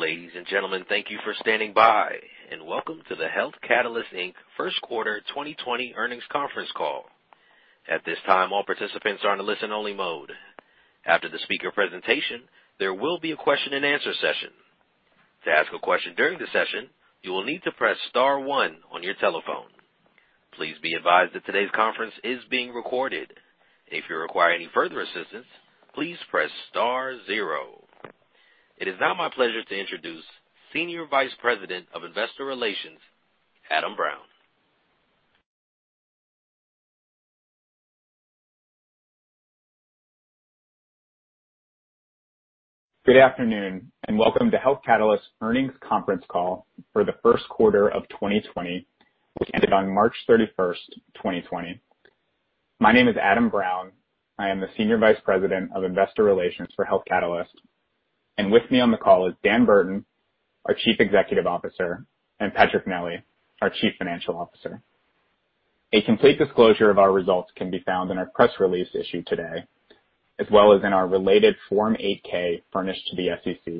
Ladies and gentlemen, thank you for standing by and welcome to the Health Catalyst, Inc. first quarter 2020 earnings conference call. At this time, all participants are in a listen-only mode. After the speaker presentation, there will be a question and answer session. To ask a question during the session, you will need to press star one on your telephone. Please be advised that today's conference is being recorded. If you require any further assistance, please press star zero. It is now my pleasure to introduce Senior Vice President of Investor Relations, Adam Brown. Good afternoon and welcome to Health Catalyst's earnings conference call for the first quarter of 2020, which ended on March 31st, 2020. My name is Adam Brown. I am the Senior Vice President of Investor Relations for Health Catalyst. With me on the call is Dan Burton, our Chief Executive Officer, and Patrick Nelli, our Chief Financial Officer. A complete disclosure of our results can be found in our press release issued today, as well as in our related Form 8-K furnished to the SEC,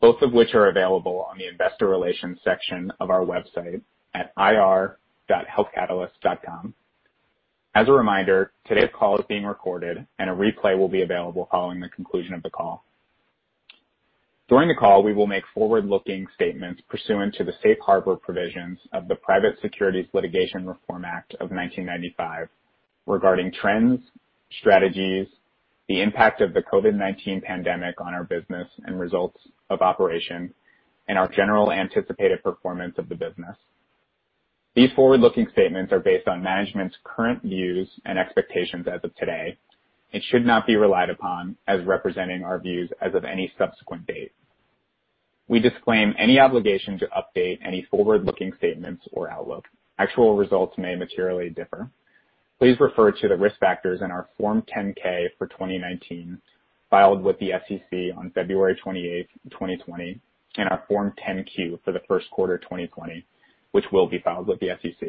both of which are available on the investor relations section of our website at ir.healthcatalyst.com. As a reminder, today's call is being recorded and a replay will be available following the conclusion of the call. During the call, we will make forward-looking statements pursuant to the safe harbor provisions of the Private Securities Litigation Reform Act of 1995 regarding trends, strategies, the impact of the COVID-19 pandemic on our business and results of operation, and our general anticipated performance of the business. These forward-looking statements are based on management's current views and expectations as of today and should not be relied upon as representing our views as of any subsequent date. We disclaim any obligation to update any forward-looking statements or outlook. Actual results may materially differ. Please refer to the risk factors in our Form 10-K for 2019, filed with the SEC on February 28th, 2020, and our Form 10-Q for the first quarter 2020, which will be filed with the SEC.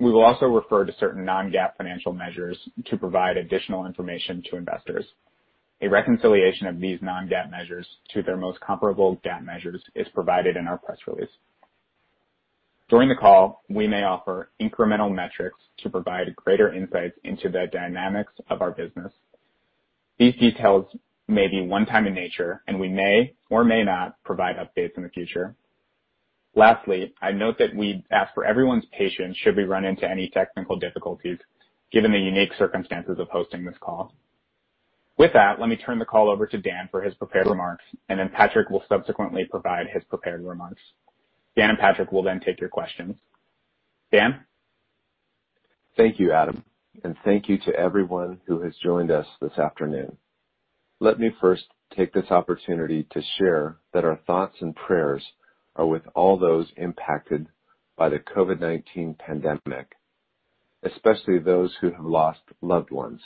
We will also refer to certain non-GAAP financial measures to provide additional information to investors. A reconciliation of these non-GAAP measures to their most comparable GAAP measures is provided in our press release. During the call, we may offer incremental metrics to provide greater insights into the dynamics of our business. These details may be one time in nature, and we may or may not provide updates in the future. Lastly, I note that we ask for everyone's patience should we run into any technical difficulties, given the unique circumstances of hosting this call. With that, let me turn the call over to Dan for his prepared remarks, and then Patrick will subsequently provide his prepared remarks. Dan and Patrick will then take your questions. Dan? Thank you, Adam. Thank you to everyone who has joined us this afternoon. Let me first take this opportunity to share that our thoughts and prayers are with all those impacted by the COVID-19 pandemic, especially those who have lost loved ones.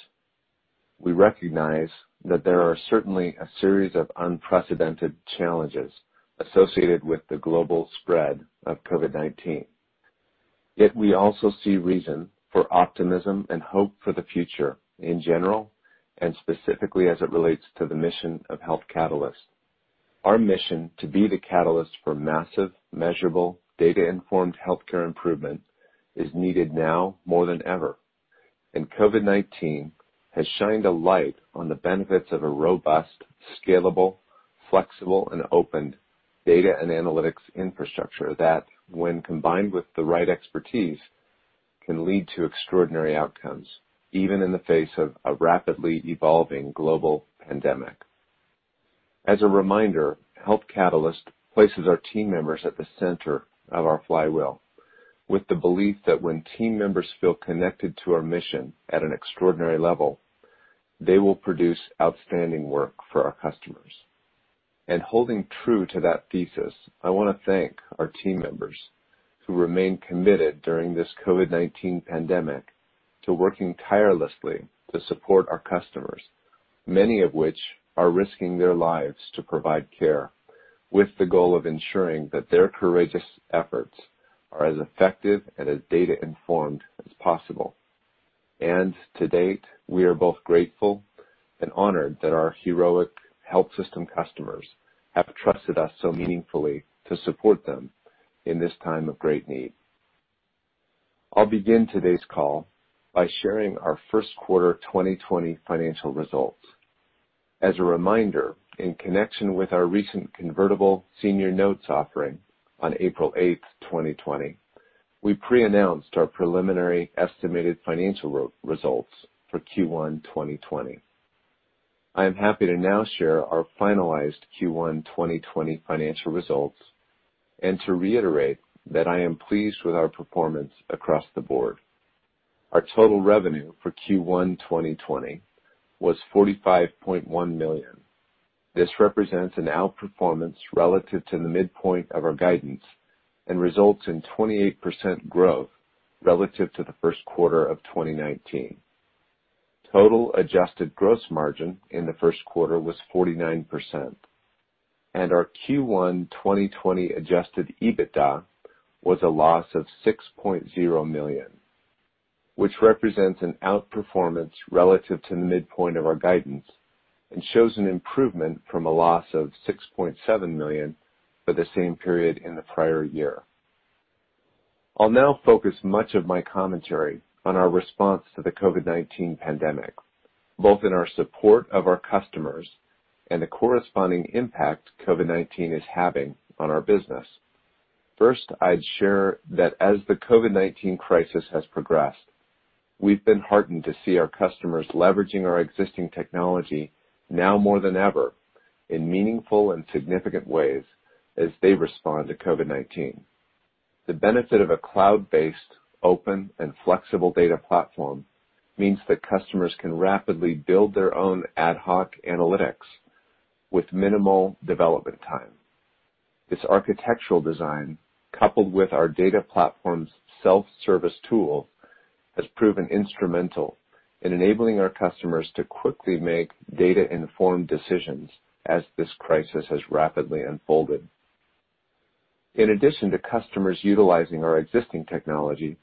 We recognize that there are certainly a series of unprecedented challenges associated with the global spread of COVID-19. We also see reason for optimism and hope for the future in general, and specifically as it relates to the mission of Health Catalyst. Our mission to be the catalyst for massive, measurable, data-informed healthcare improvement is needed now more than ever. COVID-19 has shined a light on the benefits of a robust, scalable, flexible, and open data and analytics infrastructure that when combined with the right expertise, can lead to extraordinary outcomes even in the face of a rapidly evolving global pandemic. As a reminder, Health Catalyst places our team members at the center of our flywheel with the belief that when team members feel connected to our mission at an extraordinary level, they will produce outstanding work for our customers. Holding true to that thesis, I want to thank our team members who remain committed during this COVID-19 pandemic to working tirelessly to support our customers, many of which are risking their lives to provide care with the goal of ensuring that their courageous efforts are as effective and as data informed as possible. To-date, we are both grateful and honored that our heroic health system customers have trusted us so meaningfully to support them in this time of great need. I'll begin today's call by sharing our first quarter 2020 financial results. As a reminder, in connection with our recent convertible senior notes offering on April 8th, 2020, we pre-announced our preliminary estimated financial results for Q1 2020. I am happy to now share our finalized Q1 2020 financial results and to reiterate that I am pleased with our performance across the board. Our total revenue for Q1 2020 was $45.1 million. This represents an outperformance relative to the midpoint of our guidance and results in 28% growth relative to the first quarter of 2019. Total adjusted gross margin in the first quarter was 49%, and our Q1 2020 adjusted EBITDA was a loss of $6.0 million, which represents an outperformance relative to the midpoint of our guidance and shows an improvement from a loss of $6.7 million for the same period in the prior year. I'll now focus much of my commentary on our response to the COVID-19 pandemic, both in our support of our customers and the corresponding impact COVID-19 is having on our business. First, I'd share that as the COVID-19 crisis has progressed, we've been heartened to see our customers leveraging our existing technology now more than ever in meaningful and significant ways as they respond to COVID-19. The benefit of a cloud-based, open, and flexible data platform means that customers can rapidly build their own ad hoc analytics with minimal development time. This architectural design, coupled with our data platform's self-service tool, has proven instrumental in enabling our customers to quickly make data-informed decisions as this crisis has rapidly unfolded. In addition to customers utilizing our existing technology,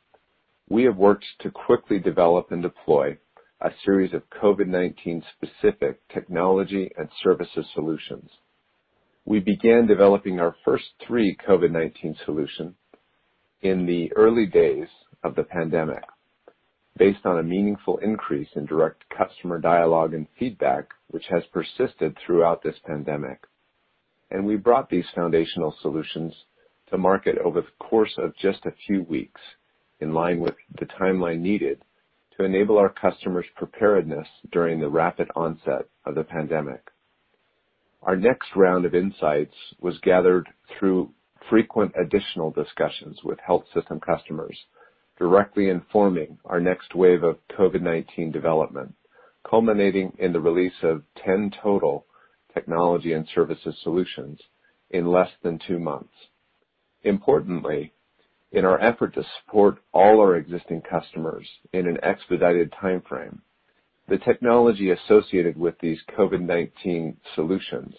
we have worked to quickly develop and deploy a series of COVID-19 specific technology and services solutions. We began developing our first three COVID-19 solution in the early days of the pandemic based on a meaningful increase in direct customer dialogue and feedback, which has persisted throughout this pandemic. We brought these foundational solutions to market over the course of just a few weeks, in line with the timeline needed to enable our customers' preparedness during the rapid onset of the pandemic. Our next round of insights was gathered through frequent additional discussions with health system customers, directly informing our next wave of COVID-19 development, culminating in the release of 10 total technology and services solutions in less than two months. Importantly, in our effort to support all our existing customers in an expedited timeframe, the technology associated with these COVID-19 solutions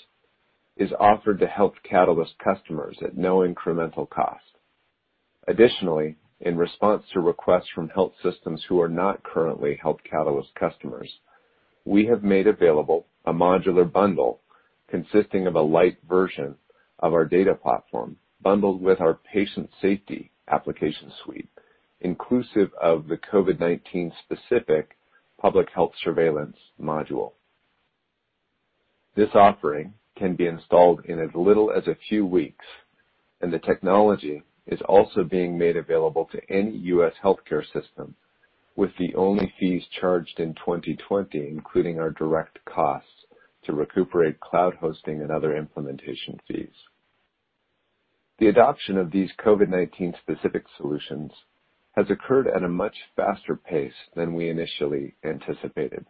is offered to Health Catalyst customers at no incremental cost. Additionally, in response to requests from health systems who are not currently Health Catalyst customers, we have made available a modular bundle consisting of a lite version of our data platform bundled with our Patient safety application suite, inclusive of the COVID-19 specific public health surveillance module. This offering can be installed in as little as a few weeks, and the technology is also being made available to any U.S. healthcare system, with the only fees charged in 2020 including our direct costs to recuperate cloud hosting and other implementation fees. The adoption of these COVID-19 specific solutions has occurred at a much faster pace than we initially anticipated.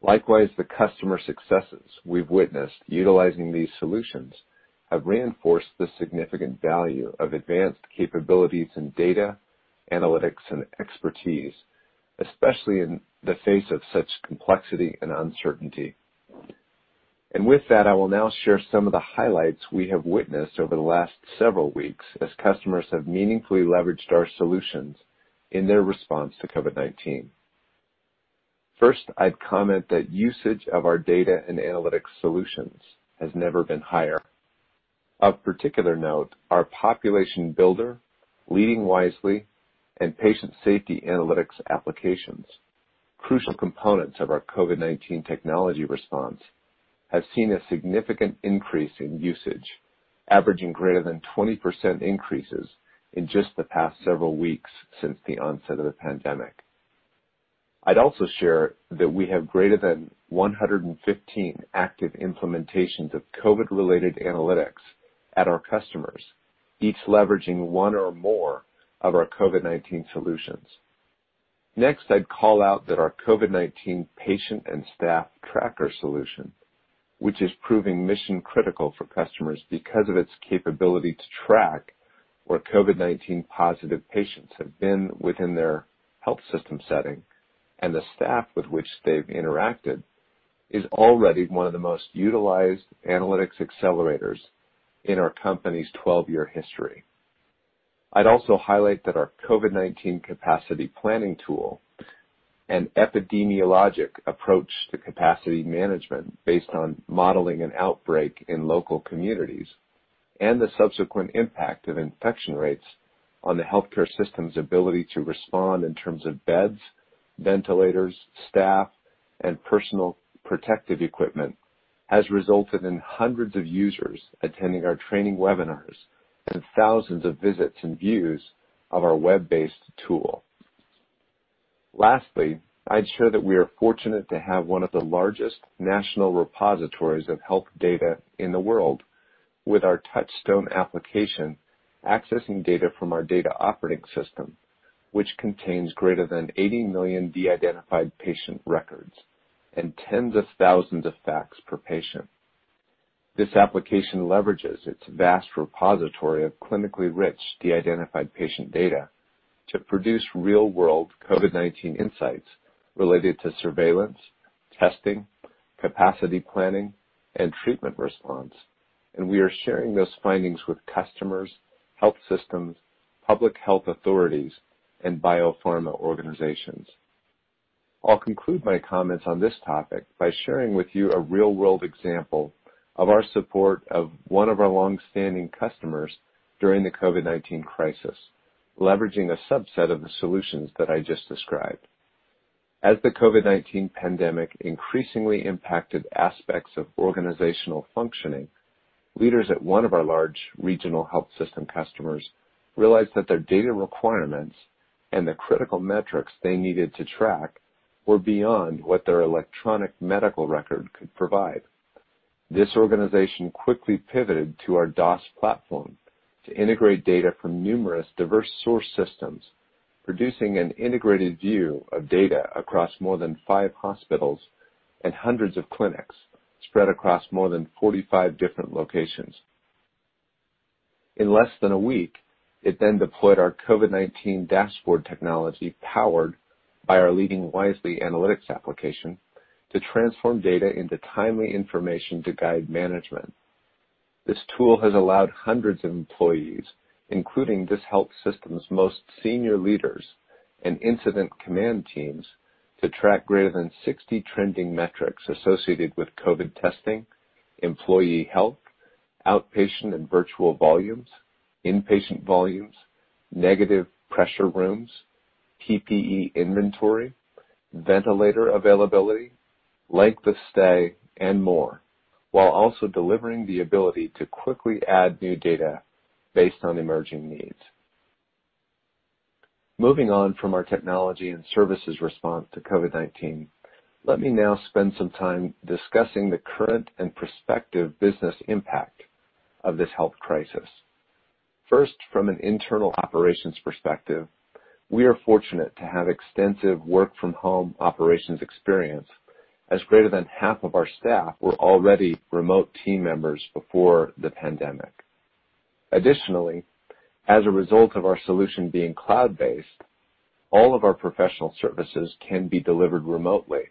Likewise, the customer successes we've witnessed utilizing these solutions have reinforced the significant value of advanced capabilities in data analytics and expertise, especially in the face of such complexity and uncertainty. With that, I will now share some of the highlights we have witnessed over the last several weeks as customers have meaningfully leveraged our solutions in their response to COVID-19. First, I'd comment that usage of our data and analytics solutions has never been higher. Of particular note, our Population Builder, Leading Wisely, and Patient Safety Analytics applications, crucial components of our COVID-19 technology response, have seen a significant increase in usage, averaging greater than 20% increases in just the past several weeks since the onset of the pandemic. I'd also share that we have greater than 115 active implementations of COVID-related analytics at our customers, each leveraging one or more of our COVID-19 solutions. Next, I'd call out that our COVID-19 patient and staff tracker solution, which is proving mission-critical for customers because of its capability to track where COVID-19-positive patients have been within their health system setting and the staff with which they've interacted, is already one of the most utilized analytics accelerators in our company's 12-year history. I'd also highlight that our COVID-19 capacity planning tool and epidemiologic approach to capacity management based on modeling an outbreak in local communities and the subsequent impact of infection rates on the healthcare system's ability to respond in terms of beds, ventilators, staff, and personal protective equipment has resulted in hundreds of users attending our training webinars and thousands of visits and views of our web-based tool. Lastly, I'd share that we are fortunate to have one of the largest national repositories of health data in the world with our Touchstone application accessing data from our Data Operating System, which contains greater than 80 million de-identified patient records and tens of thousands of facts per patient. This application leverages its vast repository of clinically rich, de-identified patient data to produce real-world COVID-19 insights related to surveillance, testing, capacity planning, and treatment response. We are sharing those findings with customers, health systems, public health authorities, and biopharma organizations. I'll conclude my comments on this topic by sharing with you a real-world example of our support of one of our longstanding customers during the COVID-19 crisis, leveraging a subset of the solutions that I just described. As the COVID-19 pandemic increasingly impacted aspects of organizational functioning, leaders at one of our large regional health system customers realized that their data requirements and the critical metrics they needed to track were beyond what their electronic medical record could provide. This organization quickly pivoted to our DOS platform to integrate data from numerous diverse source systems, producing an integrated view of data across more than five hospitals and hundreds of clinics spread across more than 45 different locations. In less than a week, it then deployed our COVID-19 dashboard technology, powered by our Leading Wisely analytics application, to transform data into timely information to guide management. This tool has allowed hundreds of employees, including this health system's most senior leaders and incident command teams, to track greater than 60 trending metrics associated with COVID testing, employee health, outpatient and virtual volumes, inpatient volumes, negative pressure rooms, PPE inventory, ventilator availability, length of stay, and more, while also delivering the ability to quickly add new data based on emerging needs. Moving on from our technology and services response to COVID-19, let me now spend some time discussing the current and prospective business impact of this health crisis. First, from an internal operations perspective, we are fortunate to have extensive work-from-home operations experience, as greater than half of our staff were already remote team members before the pandemic. Additionally, as a result of our solution being cloud-based, all of our professional services can be delivered remotely,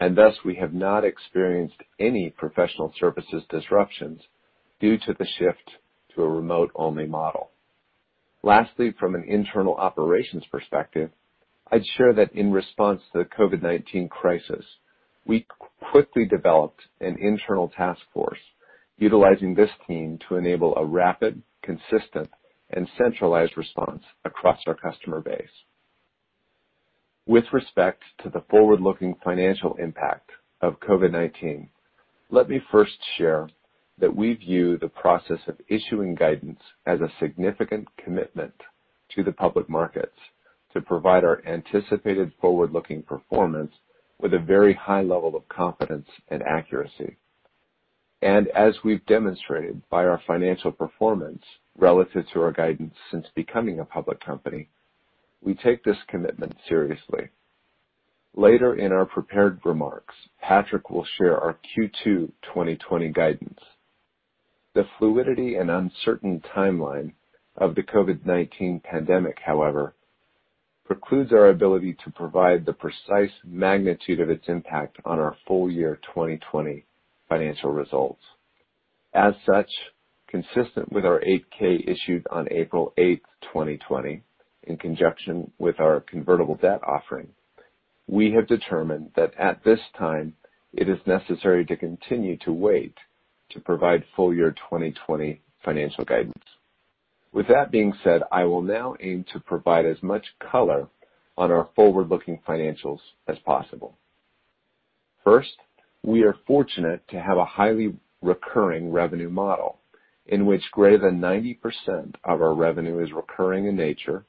and thus we have not experienced any professional services disruptions due to the shift to a remote-only model. Lastly, from an internal operations perspective, I'd share that in response to the COVID-19 crisis, we quickly developed an internal task force utilizing this team to enable a rapid, consistent, and centralized response across our customer base. With respect to the forward-looking financial impact of COVID-19, let me first share that we view the process of issuing guidance as a significant commitment to the public markets to provide our anticipated forward-looking performance with a very high level of confidence and accuracy. As we've demonstrated by our financial performance relative to our guidance since becoming a public company, we take this commitment seriously. Later in our prepared remarks, Patrick will share our Q2 2020 guidance. The fluidity and uncertain timeline of the COVID-19 pandemic, however, precludes our ability to provide the precise magnitude of its impact on our full year 2020 financial results. As such, consistent with our 8-K issued on April 8, 2020, in conjunction with our convertible debt offering, we have determined that at this time it is necessary to continue to wait to provide full year 2020 financial guidance. With that being said, I will now aim to provide as much color on our forward-looking financials as possible. First, we are fortunate to have a highly recurring revenue model in which greater than 90% of our revenue is recurring in nature.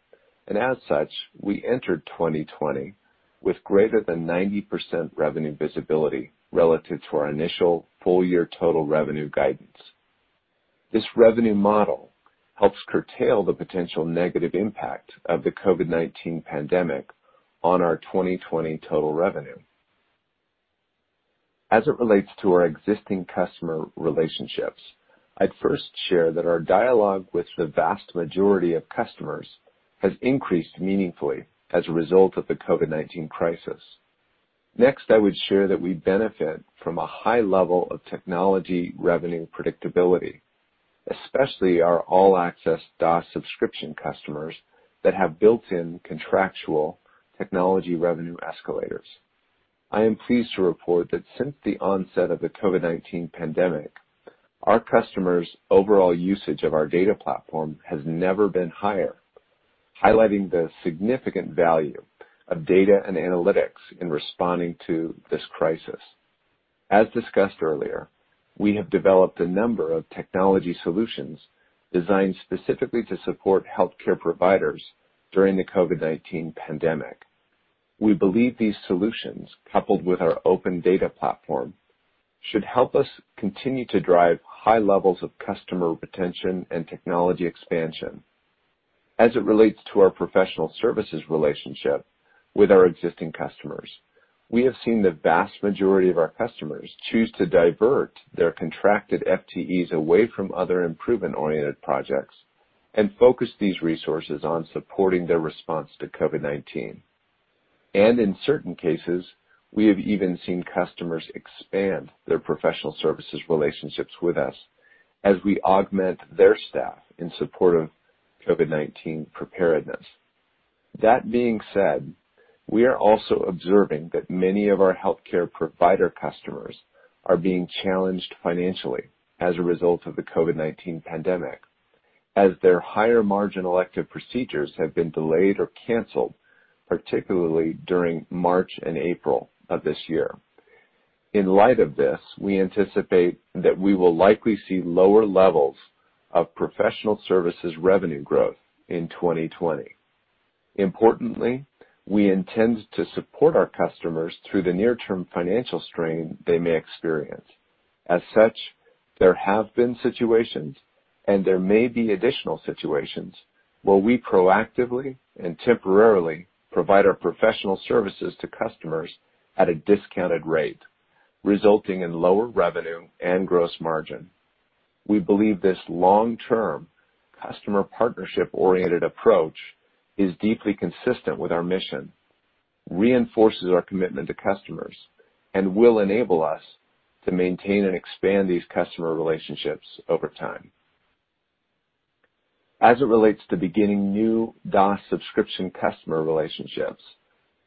As such, we entered 2020 with greater than 90% revenue visibility relative to our initial full year total revenue guidance. This revenue model helps curtail the potential negative impact of the COVID-19 pandemic on our 2020 total revenue. As it relates to our existing customer relationships, I'd first share that our dialogue with the vast majority of customers has increased meaningfully as a result of the COVID-19 crisis. Next, I would share that we benefit from a high level of technology revenue predictability, especially our all-access DOS subscription customers that have built in contractual technology revenue escalators. I am pleased to report that since the onset of the COVID-19 pandemic, our customers' overall usage of our data platform has never been higher, highlighting the significant value of data and analytics in responding to this crisis. As discussed earlier, we have developed a number of technology solutions designed specifically to support healthcare providers during the COVID-19 pandemic. We believe these solutions, coupled with our open data platform, should help us continue to drive high levels of customer retention and technology expansion. As it relates to our professional services relationship with our existing customers, we have seen the vast majority of our customers choose to divert their contracted FTEs away from other improvement-oriented projects and focus these resources on supporting their response to COVID-19. In certain cases, we have even seen customers expand their professional services relationships with us as we augment their staff in support of COVID-19 preparedness. That being said, we are also observing that many of our healthcare provider customers are being challenged financially as a result of the COVID-19 pandemic, as their higher margin elective procedures have been delayed or canceled, particularly during March and April of this year. In light of this, we anticipate that we will likely see lower levels of professional services revenue growth in 2020. Importantly, we intend to support our customers through the near term financial strain they may experience. As such, there have been situations, and there may be additional situations, where we proactively and temporarily provide our professional services to customers at a discounted rate, resulting in lower revenue and gross margin. We believe this long-term customer partnership-oriented approach is deeply consistent with our mission, reinforces our commitment to customers, and will enable us to maintain and expand these customer relationships over time. As it relates to beginning new DOS subscription customer relationships,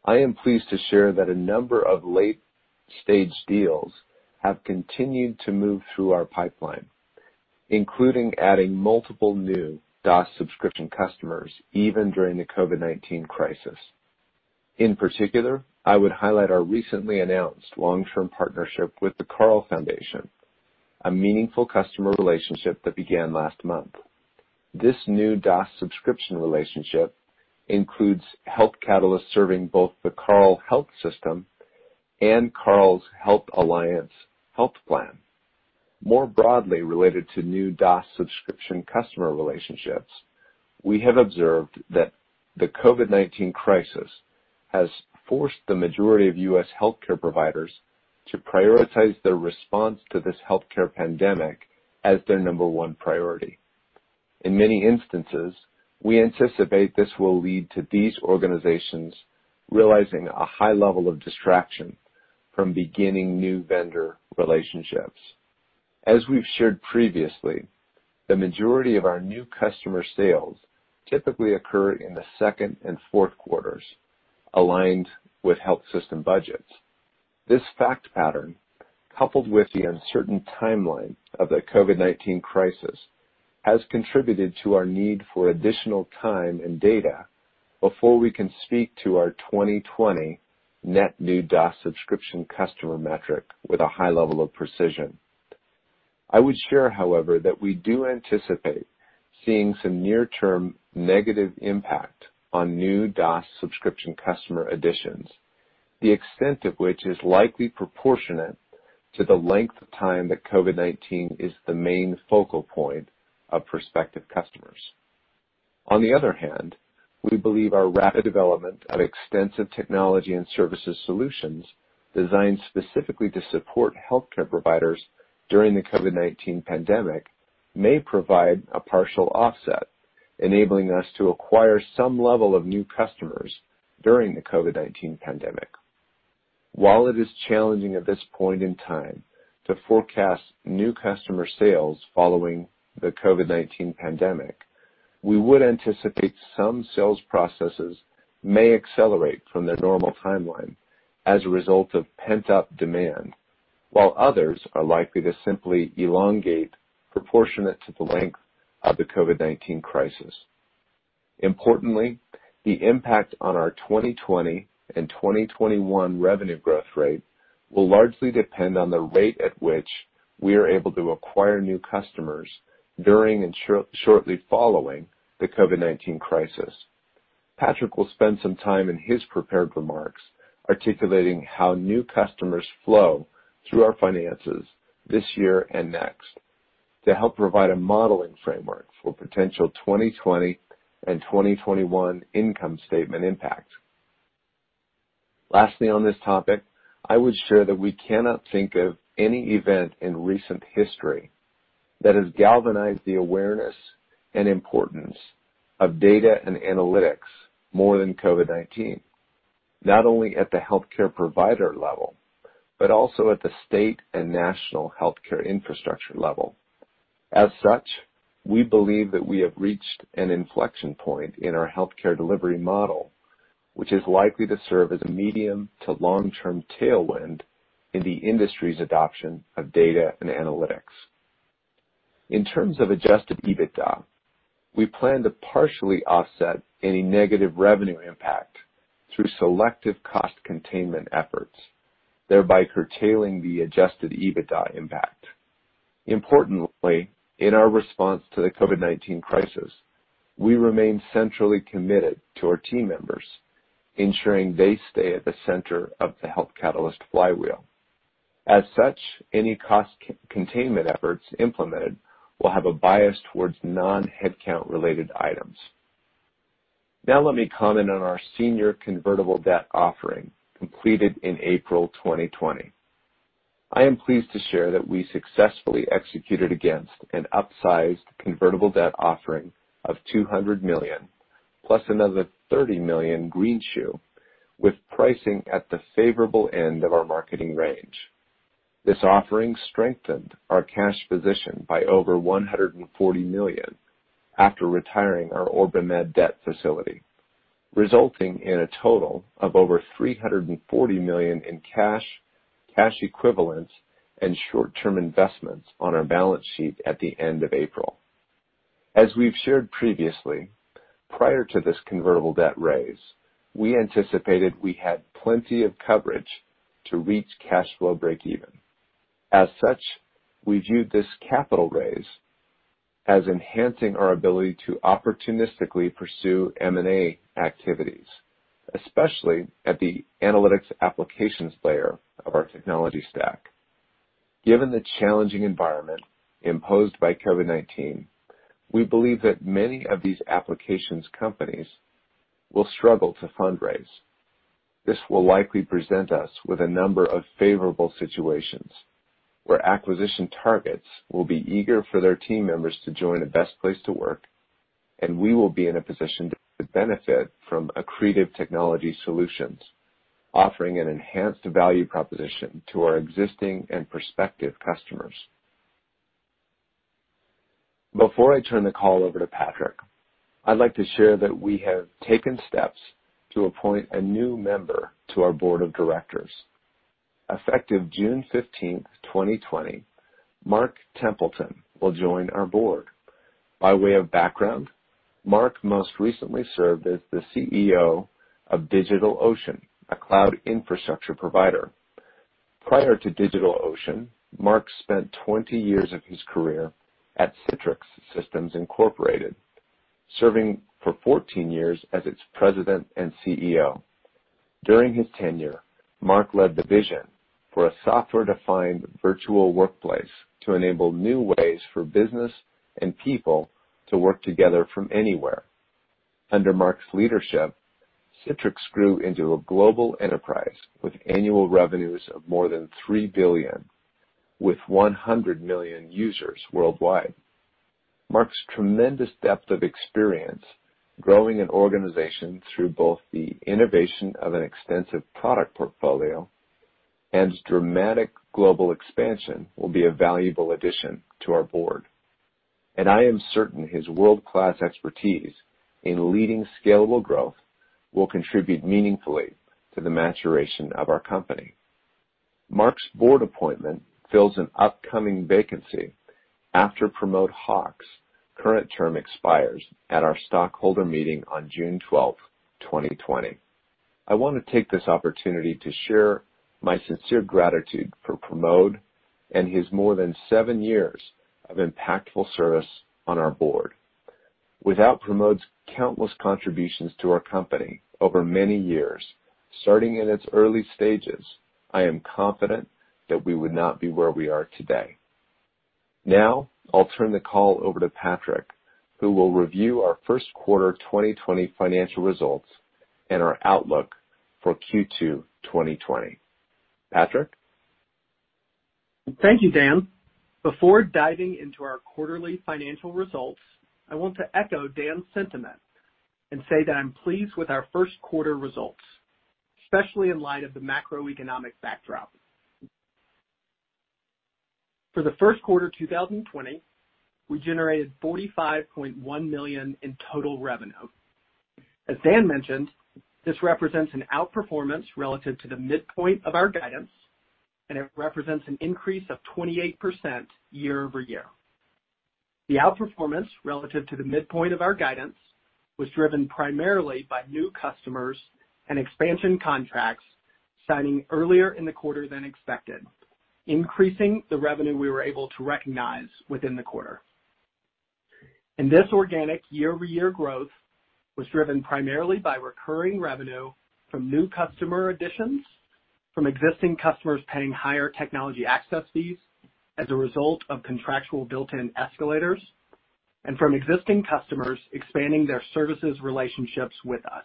I am pleased to share that a number of late-stage deals have continued to move through our pipeline, including adding multiple new DOS subscription customers, even during the COVID-19 crisis. In particular, I would highlight our recently announced long-term partnership with the Carle Foundation, a meaningful customer relationship that began last month. This new DOS subscription relationship includes Health Catalyst serving both the Carle Health System and Carle's Health Alliance Health Plan. More broadly related to new DOS subscription customer relationships, we have observed that the COVID-19 crisis has forced the majority of U.S. healthcare providers to prioritize their response to this healthcare pandemic as their number one priority. In many instances, we anticipate this will lead to these organizations realizing a high level of distraction from beginning new vendor relationships. As we've shared previously, the majority of our new customer sales typically occur in the second and fourth quarters, aligned with health system budgets. This fact pattern, coupled with the uncertain timeline of the COVID-19 crisis, has contributed to our need for additional time and data before we can speak to our 2020 net new DOS subscription customer metric with a high level of precision. I would share, however, that we do anticipate seeing some near-term negative impact on new DOS subscription customer additions, the extent of which is likely proportionate to the length of time that COVID-19 is the main focal point of prospective customers. On the other hand, we believe our rapid development of extensive technology and services solutions designed specifically to support healthcare providers during the COVID-19 pandemic may provide a partial offset, enabling us to acquire some level of new customers during the COVID-19 pandemic. While it is challenging at this point in time to forecast new customer sales following the COVID-19 pandemic, we would anticipate some sales processes may accelerate from their normal timeline as a result of pent-up demand, while others are likely to simply elongate proportionate to the length of the COVID-19 crisis. Importantly, the impact on our 2020 and 2021 revenue growth rate will largely depend on the rate at which we are able to acquire new customers during and shortly following the COVID-19 crisis. Patrick will spend some time in his prepared remarks articulating how new customers flow through our finances this year and next to help provide a modeling framework for potential 2020 and 2021 income statement impact. Lastly, on this topic, I would share that we cannot think of any event in recent history that has galvanized the awareness and importance of data and analytics more than COVID-19, not only at the healthcare provider level, but also at the state and national healthcare infrastructure level. As such, we believe that we have reached an inflection point in our healthcare delivery model, which is likely to serve as a medium to long-term tailwind in the industry's adoption of data and analytics. In terms of adjusted EBITDA, we plan to partially offset any negative revenue impact through selective cost containment efforts, thereby curtailing the adjusted EBITDA impact. Importantly, in our response to the COVID-19 crisis, we remain centrally committed to our team members, ensuring they stay at the center of the Health Catalyst flywheel. As such, any cost containment efforts implemented will have a bias towards non-headcount related items. Let me comment on our senior convertible debt offering completed in April 2020. I am pleased to share that we successfully executed against an upsized convertible debt offering of $200 million, plus another $30 million greenshoe, with pricing at the favorable end of our marketing range. This offering strengthened our cash position by over $140 million after retiring our OrbiMed debt facility, resulting in a total of over $340 million in cash equivalents, and short-term investments on our balance sheet at the end of April. As we've shared previously, prior to this convertible debt raise, we anticipated we had plenty of coverage to reach cash flow breakeven. As such, we view this capital raise as enhancing our ability to opportunistically pursue M&A activities, especially at the analytics applications layer of our technology stack. Given the challenging environment imposed by COVID-19, we believe that many of these applications companies will struggle to fundraise. This will likely present us with a number of favorable situations where acquisition targets will be eager for their team members to join the best place to work, and we will be in a position to benefit from accretive technology solutions, offering an enhanced value proposition to our existing and prospective customers. Before I turn the call over to Patrick, I'd like to share that we have taken steps to appoint a new member to our board of directors. Effective June 15th, 2020, Mark Templeton will join our board. By way of background, Mark most recently served as the CEO of DigitalOcean, a cloud infrastructure provider. Prior to DigitalOcean, Mark spent 20 years of his career at Citrix Systems Incorporated, serving for 14 years as its President and CEO. During his tenure, Mark Templeton led the vision for a software-defined virtual workplace to enable new ways for business and people to work together from anywhere. Under Mark Templeton's leadership, Citrix grew into a global enterprise with annual revenues of more than $3 billion, with 100 million users worldwide. Mark Templeton's tremendous depth of experience growing an organization through both the innovation of an extensive product portfolio and dramatic global expansion will be a valuable addition to our board, and I am certain his world-class expertise in leading scalable growth will contribute meaningfully to the maturation of our company. Mark Templeton's board appointment fills an upcoming vacancy after Promod Haque's current term expires at our stockholder meeting on June 12, 2020. I want to take this opportunity to share my sincere gratitude for Promod and his more than seven years of impactful service on our board. Without Promod's countless contributions to our company over many years, starting in its early stages, I am confident that we would not be where we are today. I'll turn the call over to Patrick, who will review our first quarter 2020 financial results and our outlook for Q2 2020. Patrick? Thank you, Dan. Before diving into our quarterly financial results, I want to echo Dan's sentiment and say that I'm pleased with our first quarter results, especially in light of the macroeconomic backdrop. For the first quarter 2020, we generated $45.1 million in total revenue. As Dan mentioned, this represents an outperformance relative to the midpoint of our guidance, and it represents an increase of 28% year-over-year. The outperformance relative to the midpoint of our guidance was driven primarily by new customers and expansion contracts signing earlier in the quarter than expected, increasing the revenue we were able to recognize within the quarter. This organic year-over-year growth was driven primarily by recurring revenue from new customer additions, from existing customers paying higher technology access fees as a result of contractual built-in escalators, and from existing customers expanding their services relationships with us.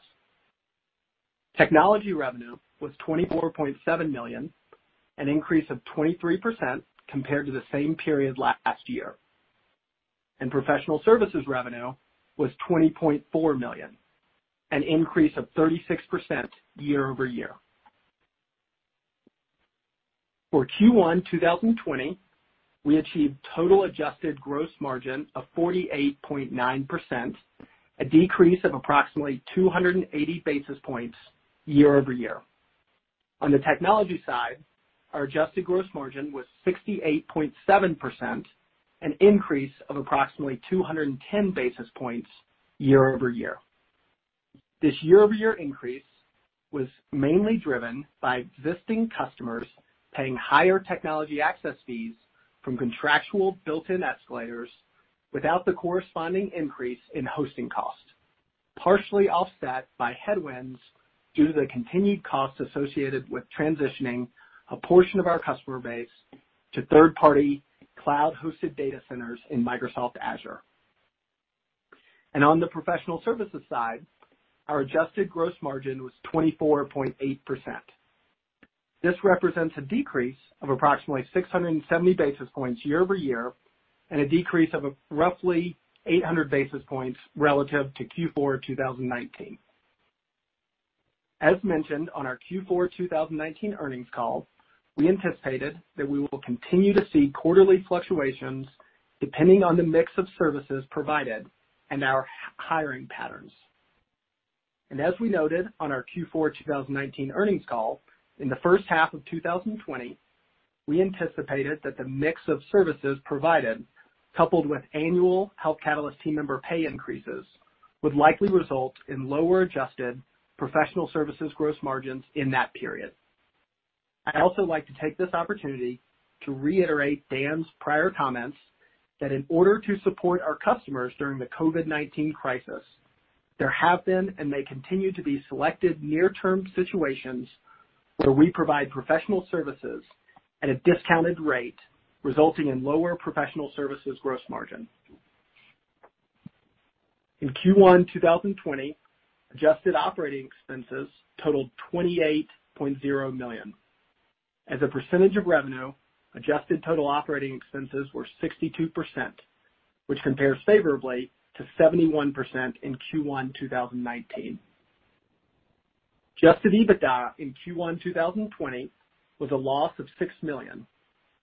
Technology revenue was $24.7 million, an increase of 23% compared to the same period last year, and professional services revenue was $20.4 million, an increase of 36% year-over-year. For Q1 2020, we achieved total adjusted gross margin of 48.9%, a decrease of approximately 280 basis points year-over-year. On the technology side, our adjusted gross margin was 68.7%, an increase of approximately 210 basis points year-over-year. This year-over-year increase was mainly driven by existing customers paying higher technology access fees from contractual built-in escalators without the corresponding increase in hosting cost, partially offset by headwinds due to the continued costs associated with transitioning a portion of our customer base to third-party cloud-hosted data centers in Microsoft Azure. On the professional services side, our adjusted gross margin was 24.8%. This represents a decrease of approximately 670 basis points year-over-year, a decrease of roughly 800 basis points relative to Q4 2019. As mentioned on our Q4 2019 earnings call, we anticipated that we will continue to see quarterly fluctuations depending on the mix of services provided and our hiring patterns. As we noted on our Q4 2019 earnings call, in the first half of 2020, we anticipated that the mix of services provided, coupled with annual Health Catalyst team member pay increases, would likely result in lower adjusted professional services gross margins in that period. I'd also like to take this opportunity to reiterate Dan's prior comments that in order to support our customers during the COVID-19 crisis, there have been and may continue to be selected near-term situations where we provide professional services at a discounted rate, resulting in lower professional services gross margin. In Q1 2020, adjusted operating expenses totaled $28.0 million. As a percentage of revenue, adjusted total operating expenses were 62%, which compares favorably to 71% in Q1 2019. Adjusted EBITDA in Q1 2020 was a loss of $6 million,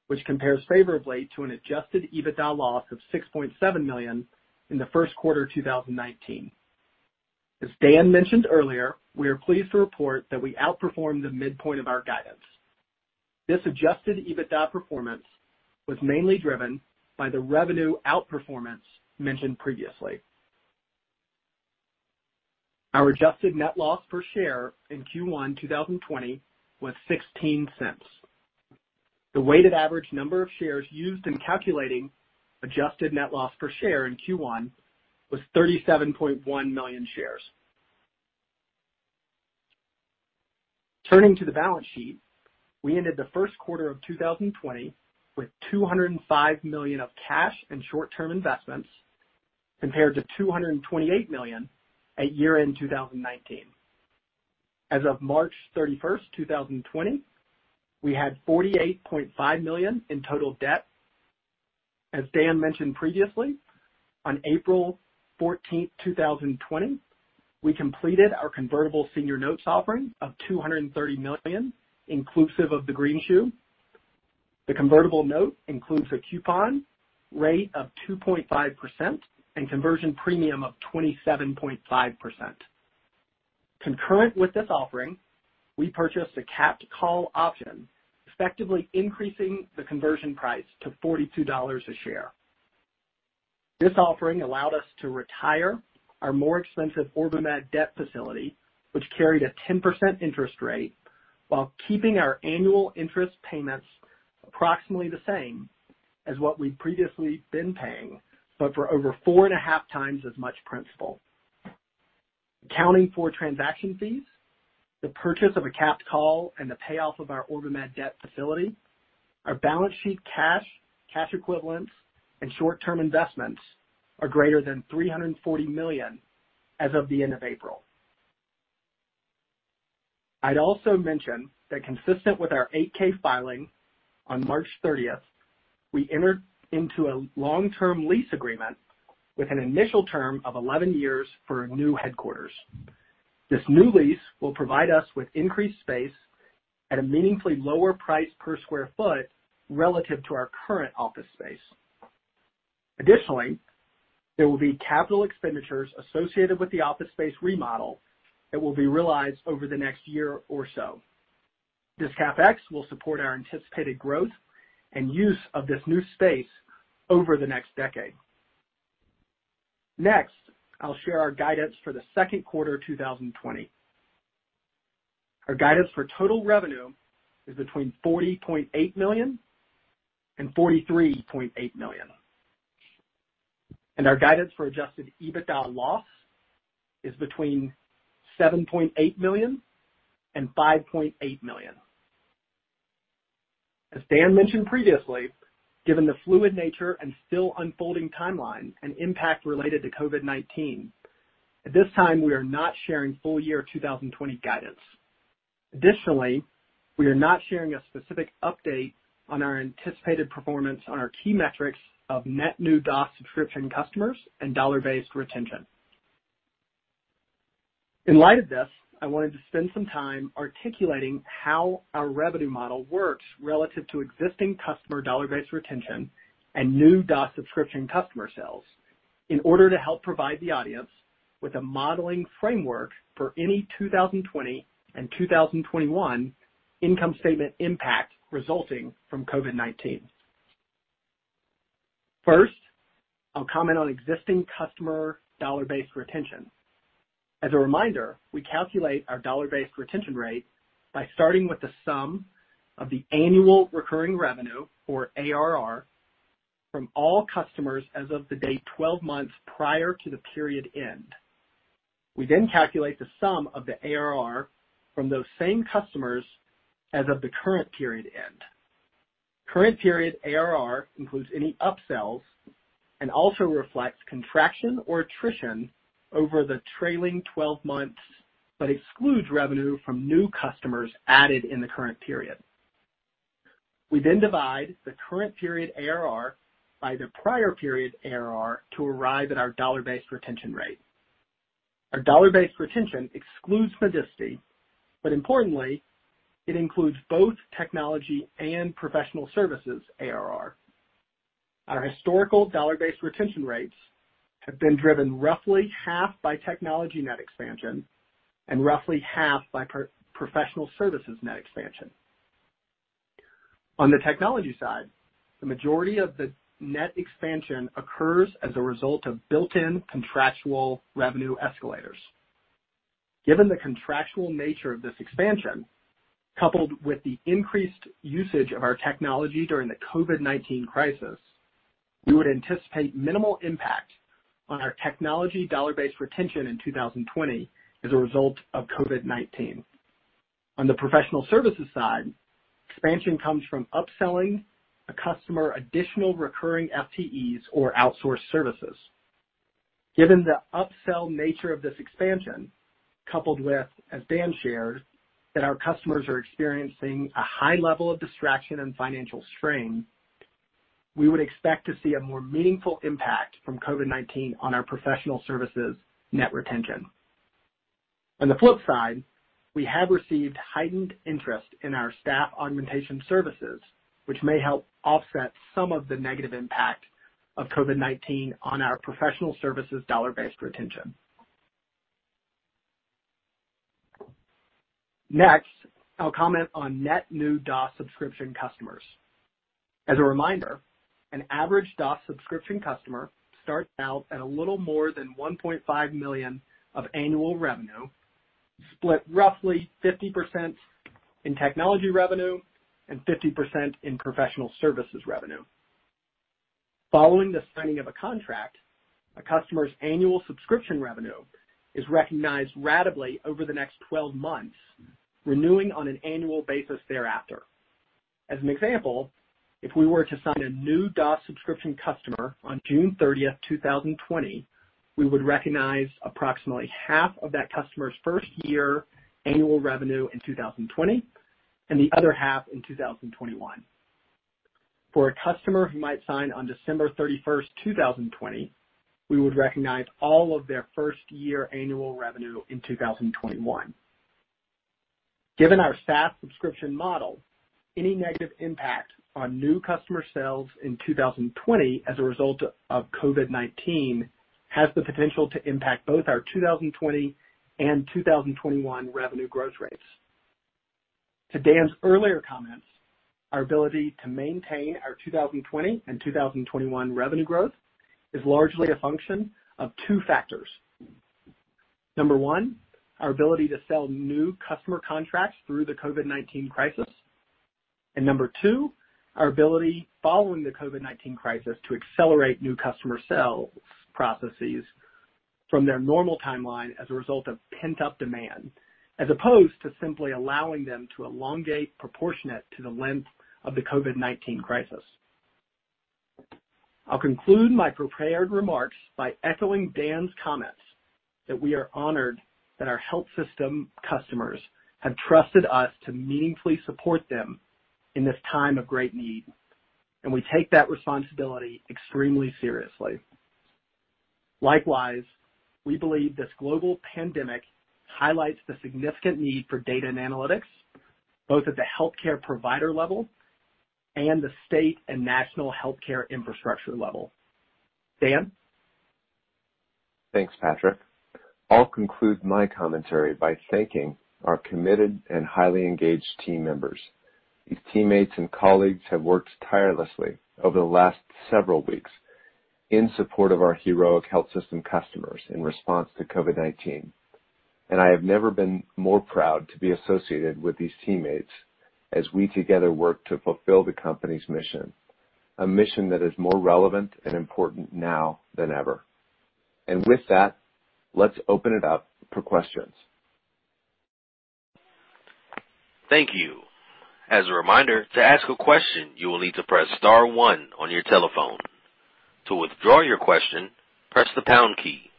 which compares favorably to an adjusted EBITDA loss of $6.7 million in the first quarter 2019. As Dan mentioned earlier, we are pleased to report that we outperformed the midpoint of our guidance. This adjusted EBITDA performance was mainly driven by the revenue outperformance mentioned previously. Our adjusted net loss per share in Q1 2020 was $0.16. The weighted average number of shares used in calculating adjusted net loss per share in Q1 was 37.1 million shares. Turning to the balance sheet, we ended the first quarter of 2020 with $205 million of cash and short-term investments, compared to $228 million at year-end 2019. As of March 31st 2020, we had $48.5 million in total debt. As Dan mentioned previously, on April 14th 2020, we completed our convertible senior notes offering of $230 million, inclusive of the green shoe. The convertible note includes a coupon rate of 2.5% and conversion premium of 27.5%. Concurrent with this offering, we purchased a capped call option, effectively increasing the conversion price to $42 a share. This offering allowed us to retire our more expensive OrbiMed debt facility, which carried a 10% interest rate, while keeping our annual interest payments approximately the same as what we'd previously been paying, but for over 4.5 times as much principal. Accounting for transaction fees, the purchase of a capped call, and the payoff of our OrbiMed debt facility, our balance sheet cash equivalents, and short-term investments are greater than $340 million as of the end of April. I'd also mention that consistent with our 8-K filing on March 30th, we entered into a long-term lease agreement with an initial term of 11 years for a new headquarters. This new lease will provide us with increased space at a meaningfully lower price per square foot relative to our current office space. Additionally, there will be capital expenditures associated with the office space remodel that will be realized over the next year or so. This CapEx will support our anticipated growth and use of this new space over the next decade. I'll share our guidance for the second quarter 2020. Our guidance for total revenue is between $40.8 million and $43.8 million. Our guidance for adjusted EBITDA loss is between $7.8 million and $5.8 million. As Dan mentioned previously, given the fluid nature and still unfolding timeline and impact related to COVID-19, at this time, we are not sharing full year 2020 guidance. Additionally, we are not sharing a specific update on our anticipated performance on our key metrics of net new DOS subscription customers and dollar-based retention. In light of this, I wanted to spend some time articulating how our revenue model works relative to existing customer dollar-based retention and new DOS subscription customer sales in order to help provide the audience with a modeling framework for any 2020 and 2021 income statement impact resulting from COVID-19. First, I'll comment on existing customer dollar-based retention. As a reminder, we calculate our dollar-based retention rate by starting with the sum of the annual recurring revenue, or ARR, from all customers as of the date 12 months prior to the period end. We then calculate the sum of the ARR from those same customers as of the current period end. Current period ARR includes any upsells and also reflects contraction or attrition over the trailing 12 months, but excludes revenue from new customers added in the current period. We divide the current period ARR by the prior period ARR to arrive at our dollar-based retention rate. Our dollar-based retention excludes Medicity, but importantly, it includes both technology and professional services ARR. Our historical dollar-based retention rates have been driven roughly half by technology net expansion and roughly half by professional services net expansion. On the technology side, the majority of the net expansion occurs as a result of built-in contractual revenue escalators. Given the contractual nature of this expansion, coupled with the increased usage of our technology during the COVID-19 crisis, we would anticipate minimal impact on our technology dollar-based retention in 2020 as a result of COVID-19. On the professional services side, expansion comes from upselling a customer additional recurring FTEs or outsourced services. Given the upsell nature of this expansion, coupled with, as Dan shared, that our customers are experiencing a high level of distraction and financial strain, we would expect to see a more meaningful impact from COVID-19 on our professional services net retention. On the flip side, we have received heightened interest in our staff augmentation services, which may help offset some of the negative impact of COVID-19 on our professional services dollar-based retention. I'll comment on net new DOS subscription customers. As a reminder, an average DOS subscription customer starts out at a little more than $1.5 million of annual revenue, split roughly 50% in technology revenue and 50% in professional services revenue. Following the signing of a contract, a customer's annual subscription revenue is recognized ratably over the next 12 months, renewing on an annual basis thereafter. As an example, if we were to sign a new DOS subscription customer on June 30th, 2020, we would recognize approximately half of that customer's first-year annual revenue in 2020 and the other half in 2021. For a customer who might sign on December 31st, 2020, we would recognize all of their first-year annual revenue in 2021. Given our SaaS subscription model, any negative impact on new customer sales in 2020 as a result of COVID-19 has the potential to impact both our 2020 and 2021 revenue growth rates. To Dan's earlier comments, our ability to maintain our 2020 and 2021 revenue growth is largely a function of two factors. Number one, our ability to sell new customer contracts through the COVID-19 crisis. Number two, our ability, following the COVID-19 crisis, to accelerate new customer sales processes from their normal timeline as a result of pent-up demand, as opposed to simply allowing them to elongate proportionate to the length of the COVID-19 crisis. I'll conclude my prepared remarks by echoing Dan's comments that we are honored that our health system customers have trusted us to meaningfully support them in this time of great need, and we take that responsibility extremely seriously. Likewise, we believe this global pandemic highlights the significant need for data and analytics, both at the healthcare provider level and the state and national healthcare infrastructure level. Dan? Thanks, Patrick. I'll conclude my commentary by thanking our committed and highly engaged team members. These teammates and colleagues have worked tirelessly over the last several weeks in support of our heroic health system customers in response to COVID-19. I have never been more proud to be associated with these teammates as we together work to fulfill the company's mission, a mission that is more relevant and important now than ever. With that, let's open it up for questions. Thank you. As a reminder, to ask a question, you will need to press star one on your telephone. To withdraw your question, press the pound key.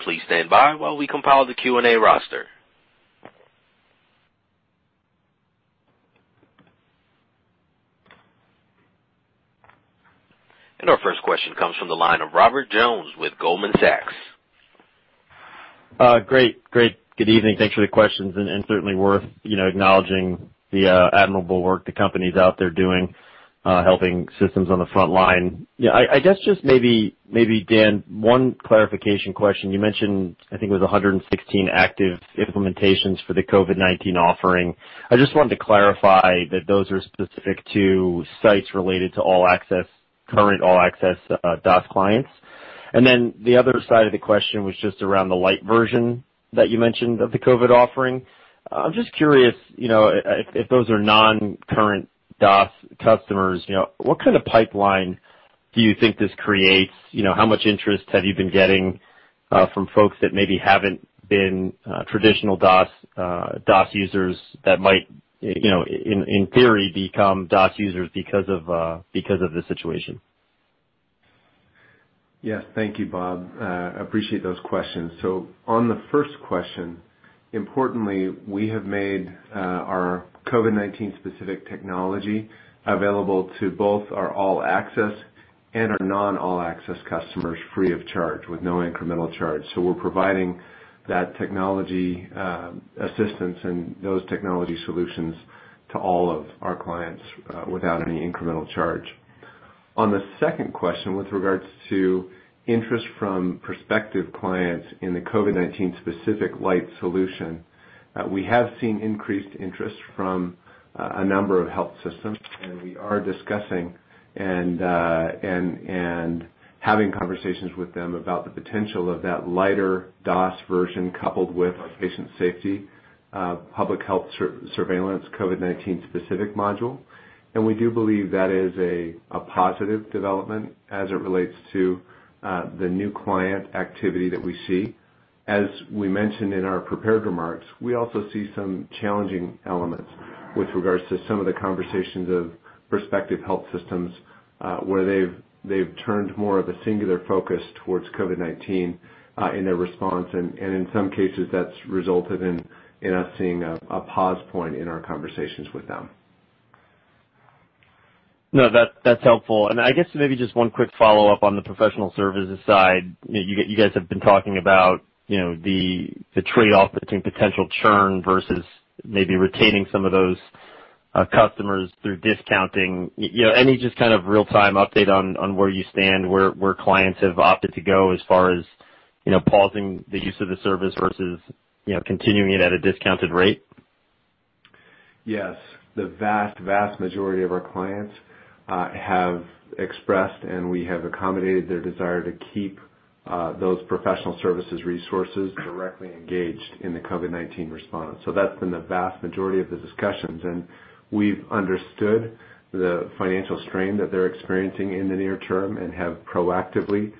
Please stand by while we compile the Q&A roster. Our first question comes from the line of Robert Jones with Goldman Sachs. Great. Good evening. Thanks for the questions, and certainly worth acknowledging the admirable work the company's out there doing helping systems on the front line. I guess just maybe, Dan, one clarification question. You mentioned, I think it was 116 active implementations for the COVID-19 offering. I just wanted to clarify that those are specific to sites related to current All Access DOS clients. Then the other side of the question was just around the light version that you mentioned of the COVID offering. I'm just curious, if those are non-current DOS customers, what kind of pipeline do you think this creates? How much interest have you been getting from folks that maybe haven't been traditional DOS users that might, in theory, become DOS users because of this situation? Yes. Thank you, Bob. I appreciate those questions. On the first question, importantly, we have made our COVID-19 specific technology available to both our All Access and our non All Access customers free of charge with no incremental charge. We're providing that technology assistance and those technology solutions to all of our clients without any incremental charge. On the second question, with regards to interest from prospective clients in the COVID-19 specific light solution, we have seen increased interest from a number of health systems, and we are discussing and having conversations with them about the potential of that lighter DOS version coupled with our patient safety public health surveillance COVID-19 specific module. We do believe that is a positive development as it relates to the new client activity that we see. As we mentioned in our prepared remarks, we also see some challenging elements with regards to some of the conversations of prospective health systems, where they've turned more of a singular focus towards COVID-19 in their response. In some cases, that's resulted in us seeing a pause point in our conversations with them. No, that's helpful. I guess maybe just one quick follow-up on the professional services side. You guys have been talking about the trade-off between potential churn versus maybe retaining some of those customers through discounting. Any just kind of real-time update on where you stand, where clients have opted to go as far as pausing the use of the service versus continuing it at a discounted rate? Yes. The vast majority of our clients have expressed, and we have accommodated their desire to keep those professional services resources directly engaged in the COVID-19 response. That has been the vast majority of the discussions, and we've understood the financial strain that they're experiencing in the near term and have proactively,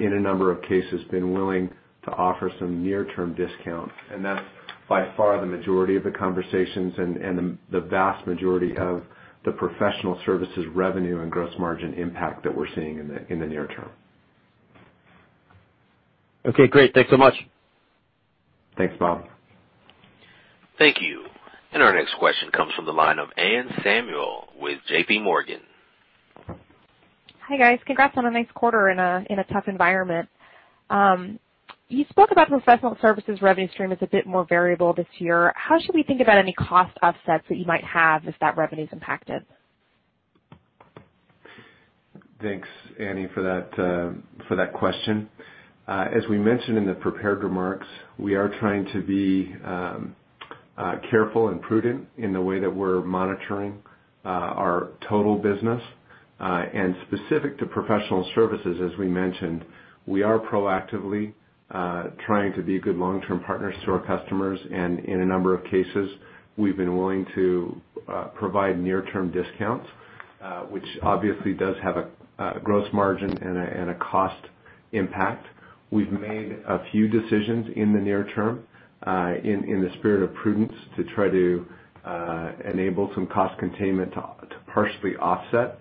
in a number of cases, been willing to offer some near-term discount. That has by far the majority of the conversations and the vast majority of the professional services revenue and gross margin impact that we're seeing in the near term. Okay, great. Thanks so much. Thanks, Bob. Thank you. Our next question comes from the line of Anne Samuel with JPMorgan. Hi, guys. Congrats on a nice quarter in a tough environment. You spoke about professional services revenue stream as a bit more variable this year. How should we think about any cost offsets that you might have if that revenue is impacted? Thanks, Annie, for that question. As we mentioned in the prepared remarks, we are trying to be careful and prudent in the way that we're monitoring our total business. Specific to professional services, as we mentioned, we are proactively trying to be good long-term partners to our customers. In a number of cases, we've been willing to provide near-term discounts, which obviously does have a gross margin and a cost impact. We've made a few decisions in the near term, in the spirit of prudence, to try to enable some cost containment to partially offset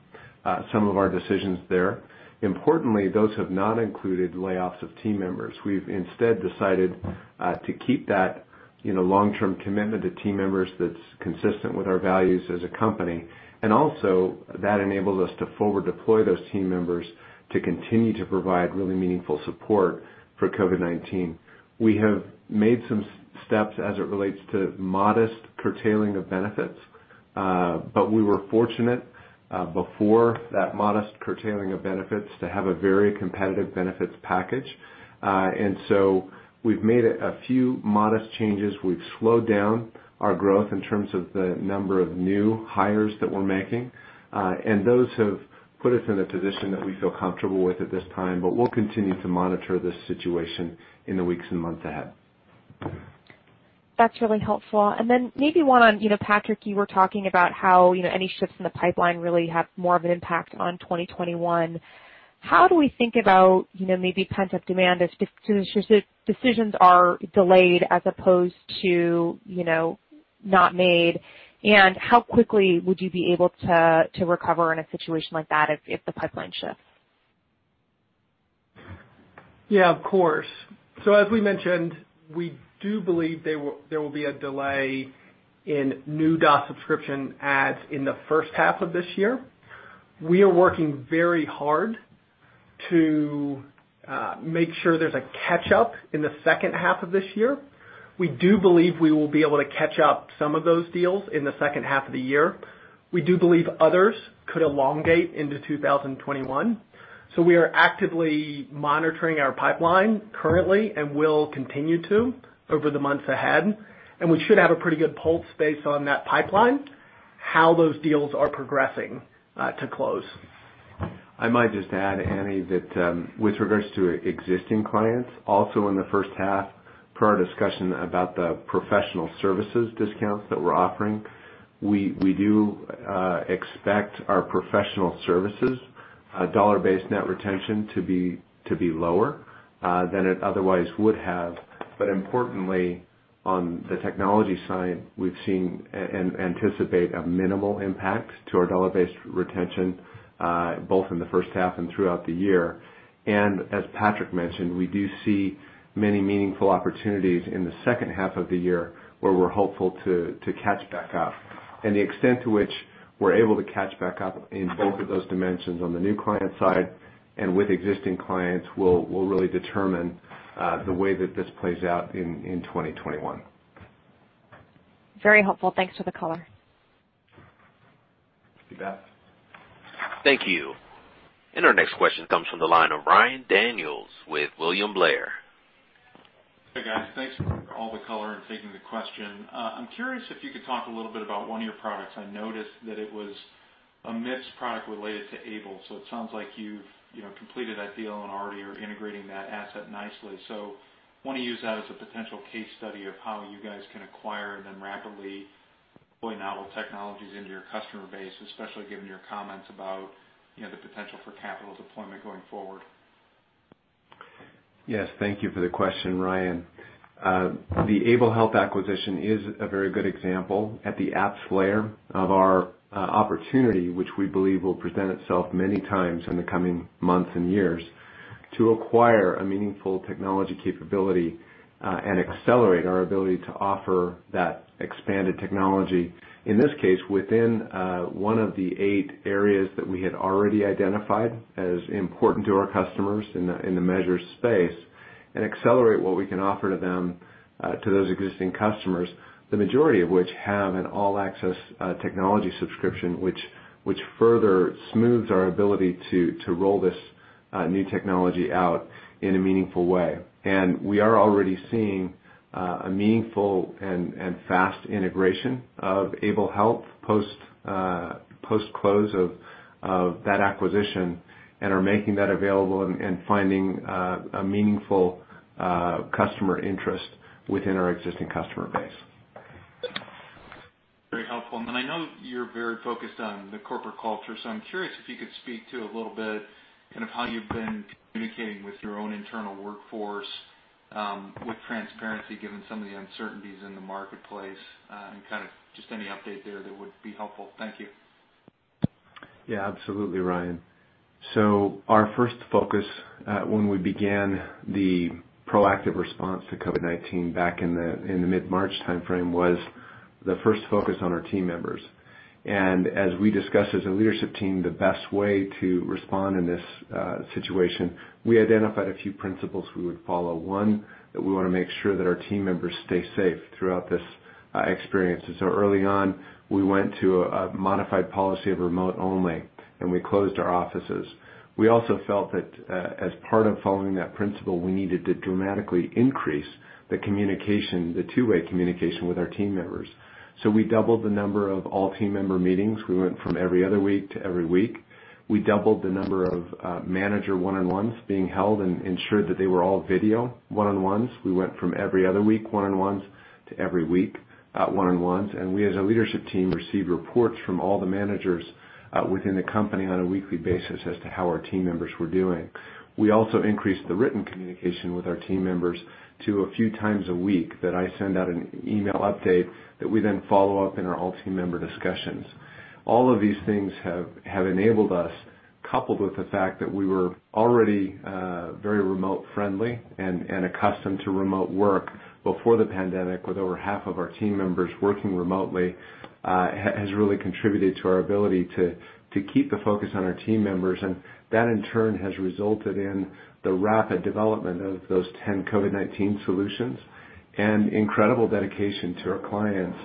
some of our decisions there. Importantly, those have not included layoffs of team members. We've instead decided to keep that long-term commitment to team members that's consistent with our values as a company. Also, that enables us to forward deploy those team members to continue to provide really meaningful support for COVID-19. We have made some steps as it relates to modest curtailing of benefits. We were fortunate before that modest curtailing of benefits to have a very competitive benefits package. We've made a few modest changes. We've slowed down our growth in terms of the number of new hires that we're making. Those have put us in a position that we feel comfortable with at this time, but we'll continue to monitor this situation in the weeks and months ahead. That's really helpful. Then maybe one on, Patrick, you were talking about how any shifts in the pipeline really have more of an impact on 2021. How do we think about maybe pent-up demand as decisions are delayed as opposed to not made? How quickly would you be able to recover in a situation like that if the pipeline shifts? Yeah. Of course. As we mentioned, we do believe there will be a delay in new DOS subscription adds in the first half of this year. We are working very hard to make sure there's a catch-up in the second half of this year. We do believe we will be able to catch up some of those deals in the second half of the year. We do believe others could elongate into 2021. We are actively monitoring our pipeline currently and will continue to over the months ahead. We should have a pretty good pulse based on that pipeline, how those deals are progressing to close. I might just add, Anne, that with regards to existing clients, also in the first half. Per our discussion about the professional services discounts that we're offering, we do expect our professional services dollar-based net retention to be lower than it otherwise would have. Importantly, on the technology side, we've seen and anticipate a minimal impact to our dollar-based retention both in the first half and throughout the year. As Patrick mentioned, we do see many meaningful opportunities in the second half of the year where we're hopeful to catch back up. The extent to which we're able to catch back up in both of those dimensions on the new client side and with existing clients will really determine the way that this plays out in 2021. Very helpful. Thanks for the color. You bet. Thank you. Our next question comes from the line of Ryan Daniels with William Blair. Hey, guys. Thanks for all the color and taking the question. I'm curious if you could talk a little bit about one of your products. I noticed that it was a mixed product related to Able. It sounds like you've completed that deal and already are integrating that asset nicely. Want to use that as a potential case study of how you guys can acquire and then rapidly deploy novel technologies into your customer base, especially given your comments about the potential for capital deployment going forward. Yes. Thank you for the question, Ryan. The Able Health acquisition is a very good example at the apps layer of our opportunity, which we believe will present itself many times in the coming months and years to acquire a meaningful technology capability and accelerate our ability to offer that expanded technology, in this case, within one of the eight areas that we had already identified as important to our customers in the measures space and accelerate what we can offer to those existing customers, the majority of which have an all-access technology subscription, which further smooths our ability to roll this new technology out in a meaningful way. We are already seeing a meaningful and fast integration of Able Health post-close of that acquisition and are making that available and finding a meaningful customer interest within our existing customer base. Very helpful. I know you're very focused on the corporate culture, so I'm curious if you could speak to a little bit how you've been communicating with your own internal workforce with transparency, given some of the uncertainties in the marketplace, and just any update there that would be helpful. Thank you. Yeah, absolutely, Ryan. Our first focus when we began the proactive response to COVID-19 back in the mid-March timeframe was the first focus on our team members. As we discussed as a leadership team the best way to respond in this situation, we identified a few principles we would follow. One, that we want to make sure that our team members stay safe throughout this experience. Early on, we went to a modified policy of remote only, and we closed our offices. We also felt that as part of following that principle, we needed to dramatically increase the two-way communication with our team members. We doubled the number of all team member meetings. We went from every other week to every week. We doubled the number of manager one-on-ones being held and ensured that they were all video one-on-ones. We went from every other week one-on-ones to every week one-on-ones, and we as a leadership team received reports from all the managers within the company on a weekly basis as to how our team members were doing. We also increased the written communication with our team members to a few times a week that I send out an email update that we then follow up in our all team member discussions. All of these things have enabled us, coupled with the fact that we were already very remote friendly and accustomed to remote work before the pandemic, with over half of our team members working remotely, has really contributed to our ability to keep the focus on our team members. That in turn has resulted in the rapid development of those 10 COVID-19 solutions and incredible dedication to our clients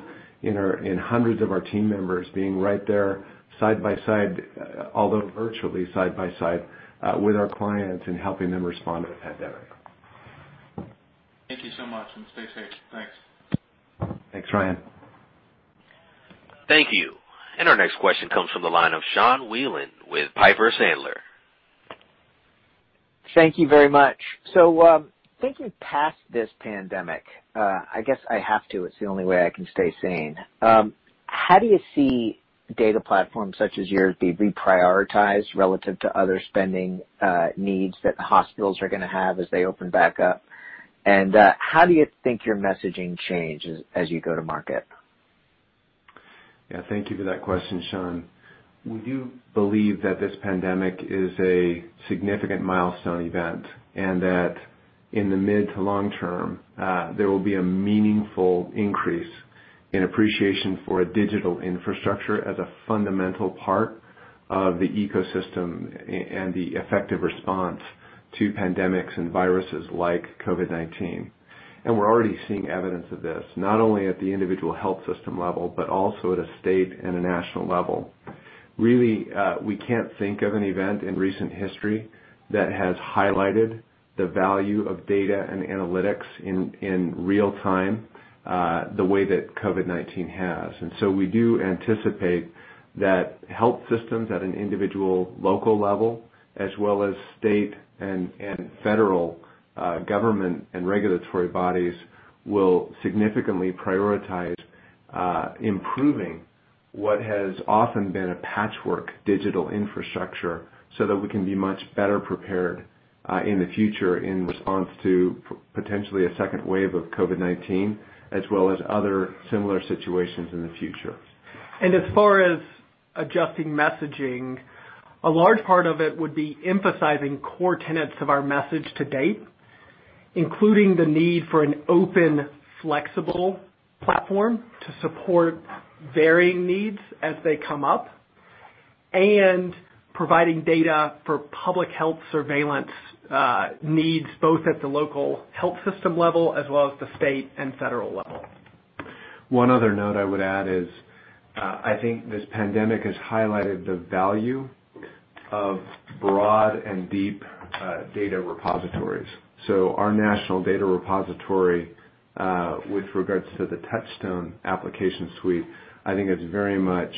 in hundreds of our team members being right there side-by-side, although virtually side-by-side, with our clients and helping them respond to the pandemic. Thank you so much, and stay safe. Thanks. Thanks, Ryan. Thank you. Our next question comes from the line of Sean Wieland with Piper Sandler. Thank you very much. Thinking past this pandemic, I guess I have to, it's the only way I can stay sane. How do you see data platforms such as yours be reprioritized relative to other spending needs that hospitals are going to have as they open back up? How do you think your messaging changes as you go to market? Thank you for that question, Sean. We do believe that this pandemic is a significant milestone event and that in the mid to long term, there will be a meaningful increase in appreciation for a digital infrastructure as a fundamental part of the ecosystem and the effective response to pandemics and viruses like COVID-19. We're already seeing evidence of this, not only at the individual health system level, but also at a state and a national level. Really, we can't think of an event in recent history that has highlighted the value of data and analytics in real time. The way that COVID-19 has. We do anticipate that health systems at an individual local level, as well as state and federal government and regulatory bodies, will significantly prioritize improving what has often been a patchwork digital infrastructure so that we can be much better prepared in the future in response to potentially a second wave of COVID-19, as well as other similar situations in the future. As far as adjusting messaging, a large part of it would be emphasizing core tenets of our message to date, including the need for an open, flexible platform to support varying needs as they come up, and providing data for public health surveillance needs, both at the local health system level as well as the state and federal level. One other note I would add is, I think this pandemic has highlighted the value of broad and deep data repositories. So our national data repository, with regards to the Touchstone application suite, I think has very much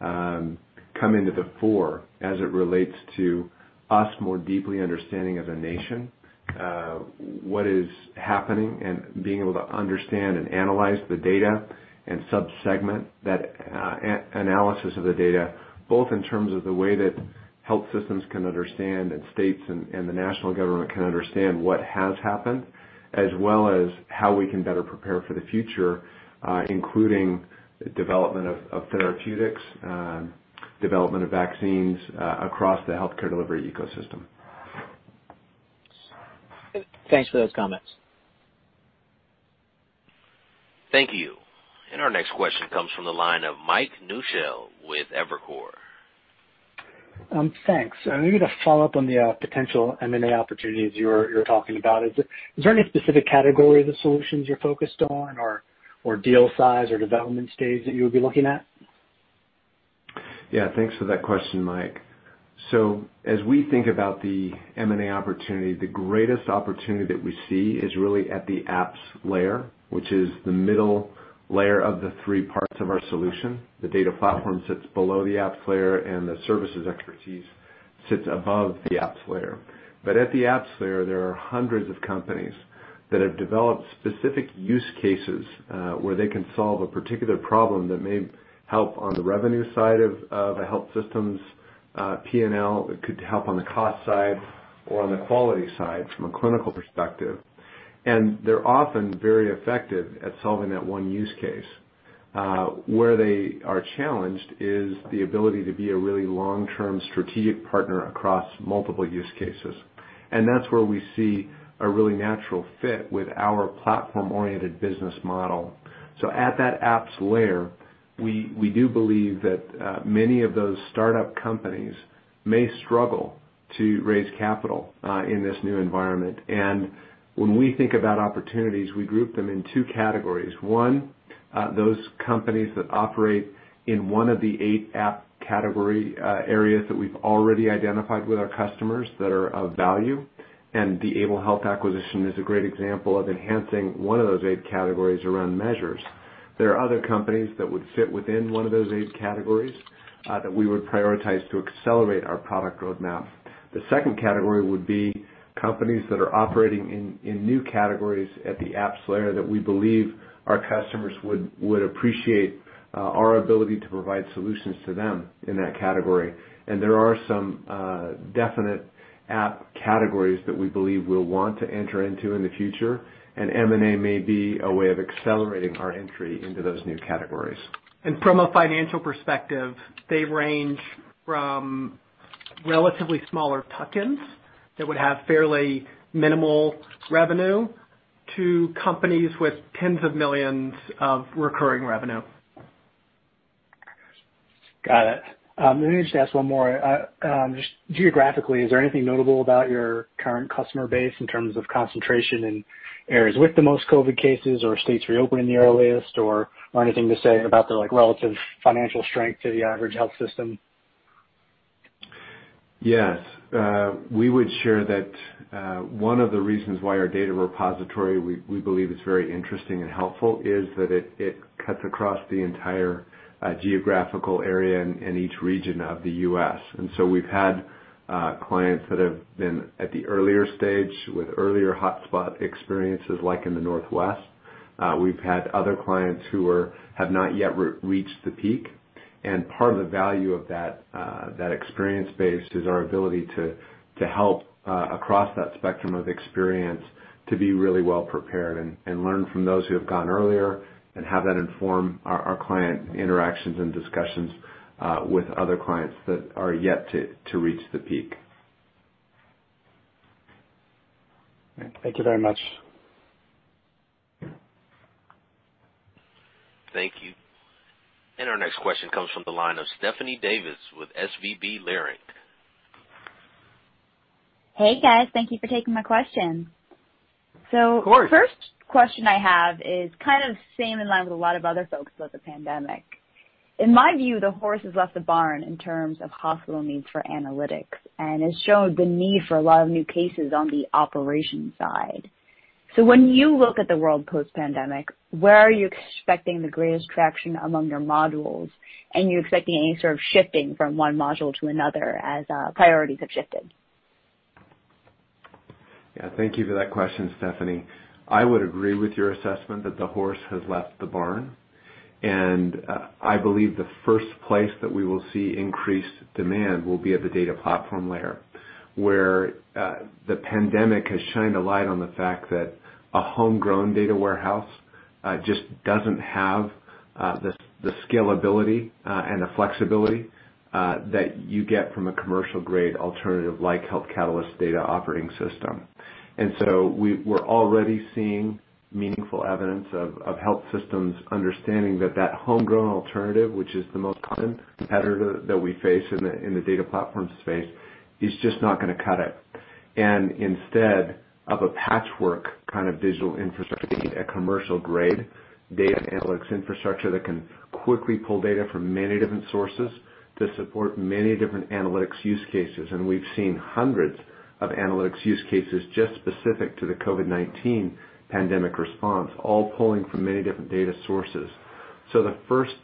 come into the fore as it relates to us more deeply understanding as a nation, what is happening and being able to understand and analyze the data and sub-segment that analysis of the data, both in terms of the way that health systems can understand and states and the national government can understand what has happened, as well as how we can better prepare for the future, including development of therapeutics, development of vaccines across the healthcare delivery ecosystem. Thanks for those comments. Thank you. Our next question comes from the line of Mike Newshel with Evercore. Thanks. Maybe to follow up on the potential M&A opportunities you're talking about, is there any specific category of the solutions you're focused on or deal size or development stage that you would be looking at? Yeah. Thanks for that question, Mike. As we think about the M&A opportunity, the greatest opportunity that we see is really at the apps layer, which is the middle layer of the three parts of our solution. The data platform sits below the apps layer, and the services expertise sits above the apps layer. At the apps layer, there are hundreds of companies that have developed specific use cases, where they can solve a particular problem that may help on the revenue side of a health system's P&L. It could help on the cost side or on the quality side from a clinical perspective. They're often very effective at solving that one use case. Where they are challenged is the ability to be a really long-term strategic partner across multiple use cases. That's where we see a really natural fit with our platform-oriented business model. At that apps layer, we do believe that many of those startup companies may struggle to raise capital in this new environment. When we think about opportunities, we group them in two categories. One, those companies that operate in one of the eight app category areas that we've already identified with our customers that are of value. The Able Health acquisition is a great example of enhancing one of those eight categories around measures. There are other companies that would fit within one of those eight categories that we would prioritize to accelerate our product roadmap. The second category would be companies that are operating in new categories at the apps layer that we believe our customers would appreciate our ability to provide solutions to them in that category. There are some definite app categories that we believe we'll want to enter into in the future, and M&A may be a way of accelerating our entry into those new categories. From a financial perspective, they range from relatively smaller tuck-ins that would have fairly minimal revenue to companies with tens of millions of recurring revenue. Got it. Let me just ask one more. Geographically, is there anything notable about your current customer base in terms of concentration in areas with the most COVID cases or states reopening the earliest or anything to say about their relative financial strength to the average health system? Yes. We would share that one of the reasons why our data repository, we believe is very interesting and helpful is that it cuts across the entire geographical area in each region of the U.S. We've had clients that have been at the earlier stage with earlier hotspot experiences like in the Northwest. We've had other clients who have not yet reached the peak. Part of the value of that experience base is our ability to help across that spectrum of experience to be really well prepared and learn from those who have gone earlier and have that inform our client interactions and discussions with other clients that are yet to reach the peak. Thank you very much. Thank you. Our next question comes from the line of Stephanie Davis with SVB Leerink. Hey, guys. Thank you for taking my question. Of course. First question I have is kind of same in line with a lot of other folks about the pandemic. In my view, the horse has left the barn in terms of hospital needs for analytics, and has shown the need for a lot of new cases on the operations side. When you look at the world post-pandemic, where are you expecting the greatest traction among your modules? Are you expecting any sort of shifting from one module to another as priorities have shifted? Yeah. Thank you for that question, Stephanie. I would agree with your assessment that the horse has left the barn. I believe the first place that we will see increased demand will be at the data platform layer, where the pandemic has shined a light on the fact that a homegrown data warehouse just doesn't have the scalability and the flexibility that you get from a commercial-grade alternative like Health Catalyst's Data Operating System. We're already seeing meaningful evidence of health systems understanding that that homegrown alternative, which is the most common competitor that we face in the data platform space, is just not going to cut it, instead of a patchwork kind of digital infrastructure, a commercial-grade data analytics infrastructure that can quickly pull data from many different sources to support many different analytics use cases. We've seen hundreds of analytics use cases just specific to the COVID-19 pandemic response, all pulling from many different data sources. The first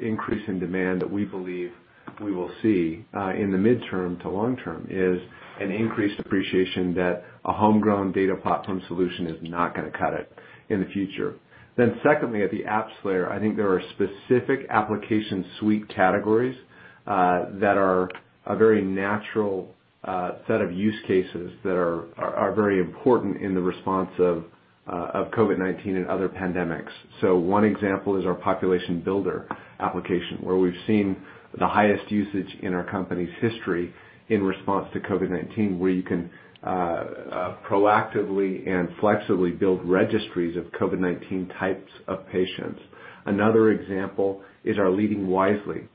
increase in demand that we believe we will see in the midterm to long term is an increased appreciation that a homegrown data platform solution is not going to cut it in the future. Secondly, at the apps layer, I think there are specific application suite categories that are a very natural set of use cases that are very important in the response of COVID-19 and other pandemics. One example is our Population Builder application, where we've seen the highest usage in our company's history in response to COVID-19, where you can proactively and flexibly build registries of COVID-19 types of patients. Another example is our Leading Wisely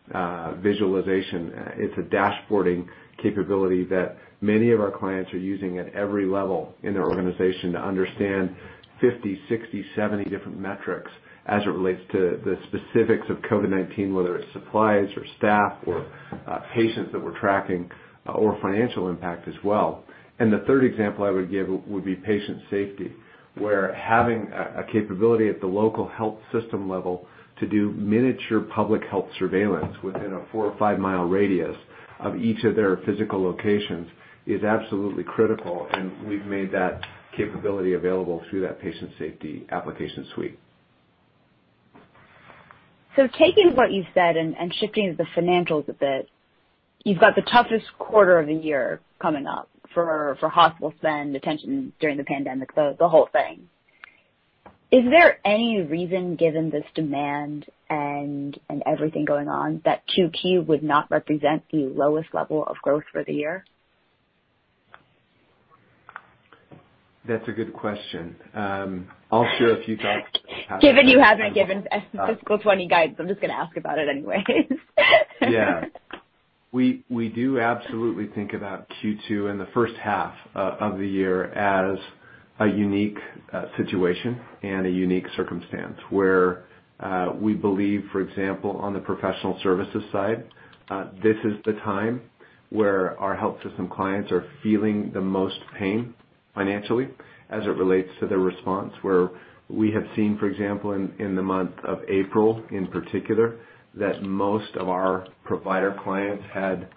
visualization. It's a dashboarding capability that many of our clients are using at every level in their organization to understand 50, 60, 70 different metrics as it relates to the specifics of COVID-19, whether it's supplies or staff or patients that we're tracking or financial impact as well. The third example I would give would be patient safety, where having a capability at the local health system level to do miniature public health surveillance within a four or five-mile radius of each of their physical locations is absolutely critical, and we've made that capability available through that patient safety application suite. Taking what you've said and shifting to the financials a bit, you've got the toughest quarter of the year coming up for hospital spend, attention during the pandemic, the whole thing. Is there any reason, given this demand and everything going on, that 2Q would not represent the lowest level of growth for the year? That's a good question. I'll share a few thoughts. Given you haven't given fiscal 2020 guidance, I'm just going to ask about it anyway. We do absolutely think about Q2 and the first half of the year as a unique situation and a unique circumstance where we believe, for example, on the professional services side, this is the time where our health system clients are feeling the most pain financially as it relates to their response. Where we have seen, for example, in the month of April in particular, that most of our provider clients had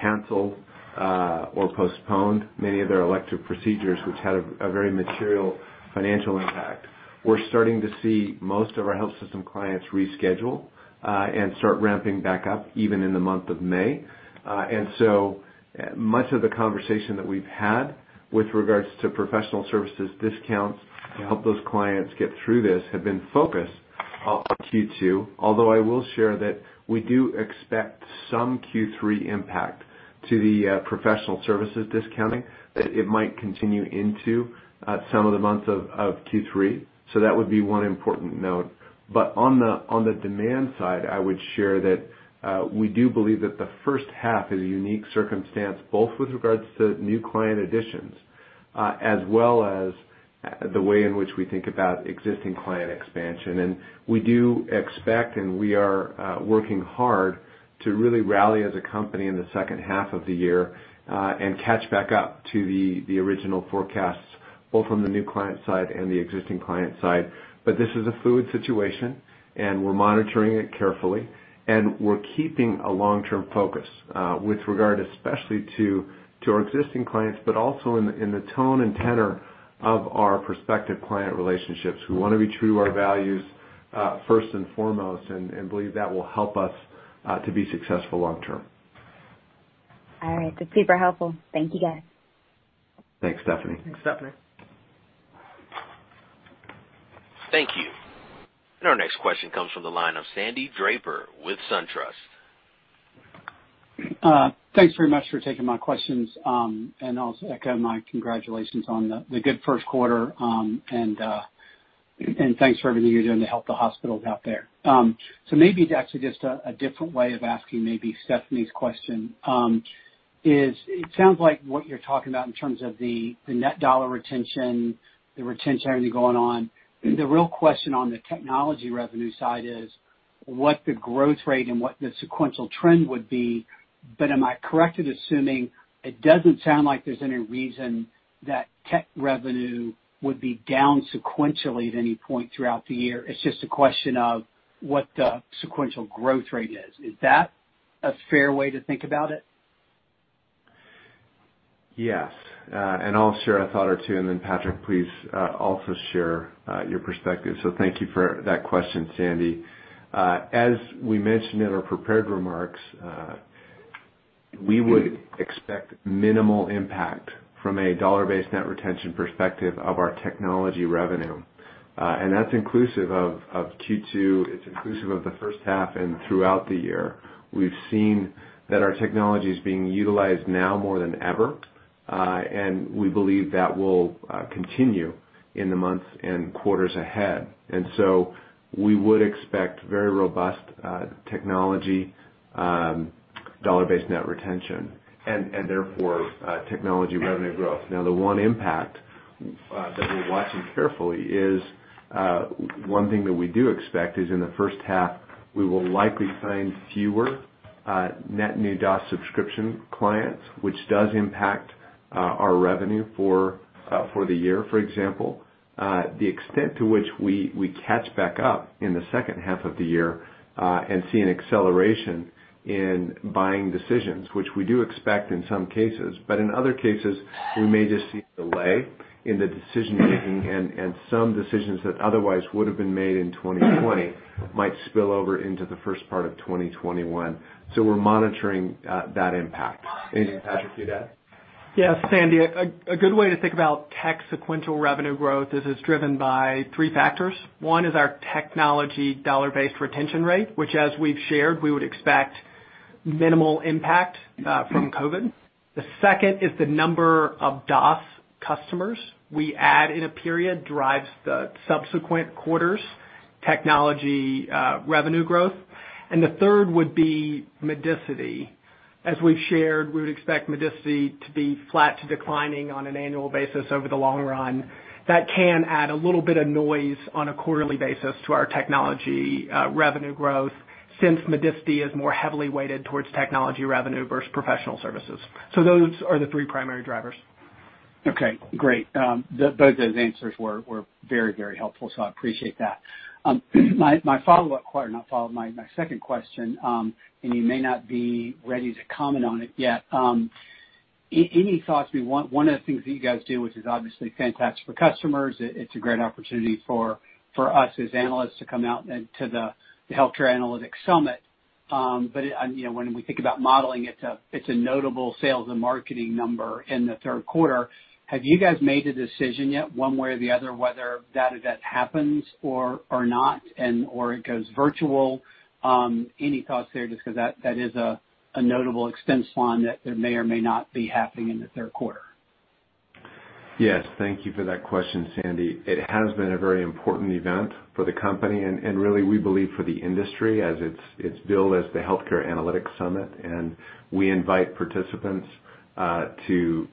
canceled or postponed many of their elective procedures, which had a very material financial impact. We're starting to see most of our health system clients reschedule and start ramping back up even in the month of May. So much of the conversation that we've had with regards to professional services discounts to help those clients get through this have been focused on Q2, although I will share that we do expect some Q3 impact to the professional services discounting, that it might continue into some of the months of Q3. That would be one important note. On the demand side, I would share that we do believe that the first half is a unique circumstance, both with regards to new client additions as well as the way in which we think about existing client expansion. We do expect, and we are working hard to really rally as a company in the second half of the year and catch back up to the original forecasts, both from the new client side and the existing client side. This is a fluid situation, and we're monitoring it carefully, and we're keeping a long-term focus, with regard especially to our existing clients, but also in the tone and tenor of our prospective client relationships. We want to be true to our values first and foremost and believe that will help us to be successful long term. All right. That's super helpful. Thank you, guys. Thanks, Stephanie. Thanks, Stephanie. Thank you. Our next question comes from the line of Sandy Draper with SunTrust. Thanks very much for taking my questions. I'll also echo my congratulations on the good first quarter, and thanks for everything you're doing to help the hospitals out there. Maybe it's actually just a different way of asking maybe Stephanie's question. It sounds like what you're talking about in terms of the net dollar retention, the retention only going on. The real question on the technology revenue side is what the growth rate and what the sequential trend would be. Am I correct in assuming it doesn't sound like there's any reason that tech revenue would be down sequentially at any point throughout the year? It's just a question of what the sequential growth rate is. Is that a fair way to think about it? Yes. I'll share a thought or two, and then Patrick, please also share your perspective. Thank you for that question, Sandy. As we mentioned in our prepared remarks, we would expect minimal impact from a dollar-based net retention perspective of our technology revenue. That's inclusive of Q2, it's inclusive of the first half and throughout the year. We've seen that our technology is being utilized now more than ever. We believe that will continue in the months and quarters ahead. We would expect very robust technology, dollar-based net retention and therefore, technology revenue growth. The one impact that we're watching carefully is, one thing that we do expect is in the first half, we will likely sign fewer net new DOS subscription clients, which does impact our revenue for the year, for example. The extent to which we catch back up in the second half of the year, and see an acceleration in buying decisions, which we do expect in some cases, but in other cases, we may just see a delay in the decision-making and some decisions that otherwise would've been made in 2020 might spill over into the first part of 2021. We're monitoring that impact. Anything, Patrick, to that? Yes, Sandy. A good way to think about tech sequential revenue growth is it's driven by three factors. One is our technology dollar-based retention rate, which as we've shared, we would expect minimal impact from COVID. The second is the number of DOS customers we add in a period drives the subsequent quarter's technology revenue growth. The third would be Medicity. As we've shared, we would expect Medicity to be flat to declining on an annual basis over the long run. That can add a little bit of noise on a quarterly basis to our technology revenue growth since Medicity is more heavily weighted towards technology revenue versus professional services. Those are the three primary drivers. Okay, great. Both those answers were very helpful. I appreciate that. My follow-up or not follow, my second question. You may not be ready to comment on it yet. Any thoughts, one of the things that you guys do, which is obviously fantastic for customers, it's a great opportunity for us as analysts to come out to the Healthcare Analytics Summit. When we think about modeling, it's a notable sales and marketing number in the third quarter. Have you guys made a decision yet, one way or the other, whether that event happens or not and/or it goes virtual? Any thoughts there, just because that is a notable expense line that may or may not be happening in the third quarter. Yes. Thank you for that question, Sandy. It has been a very important event for the company, and really, we believe for the industry as it's billed as the Healthcare Analytics Summit, and we invite participants to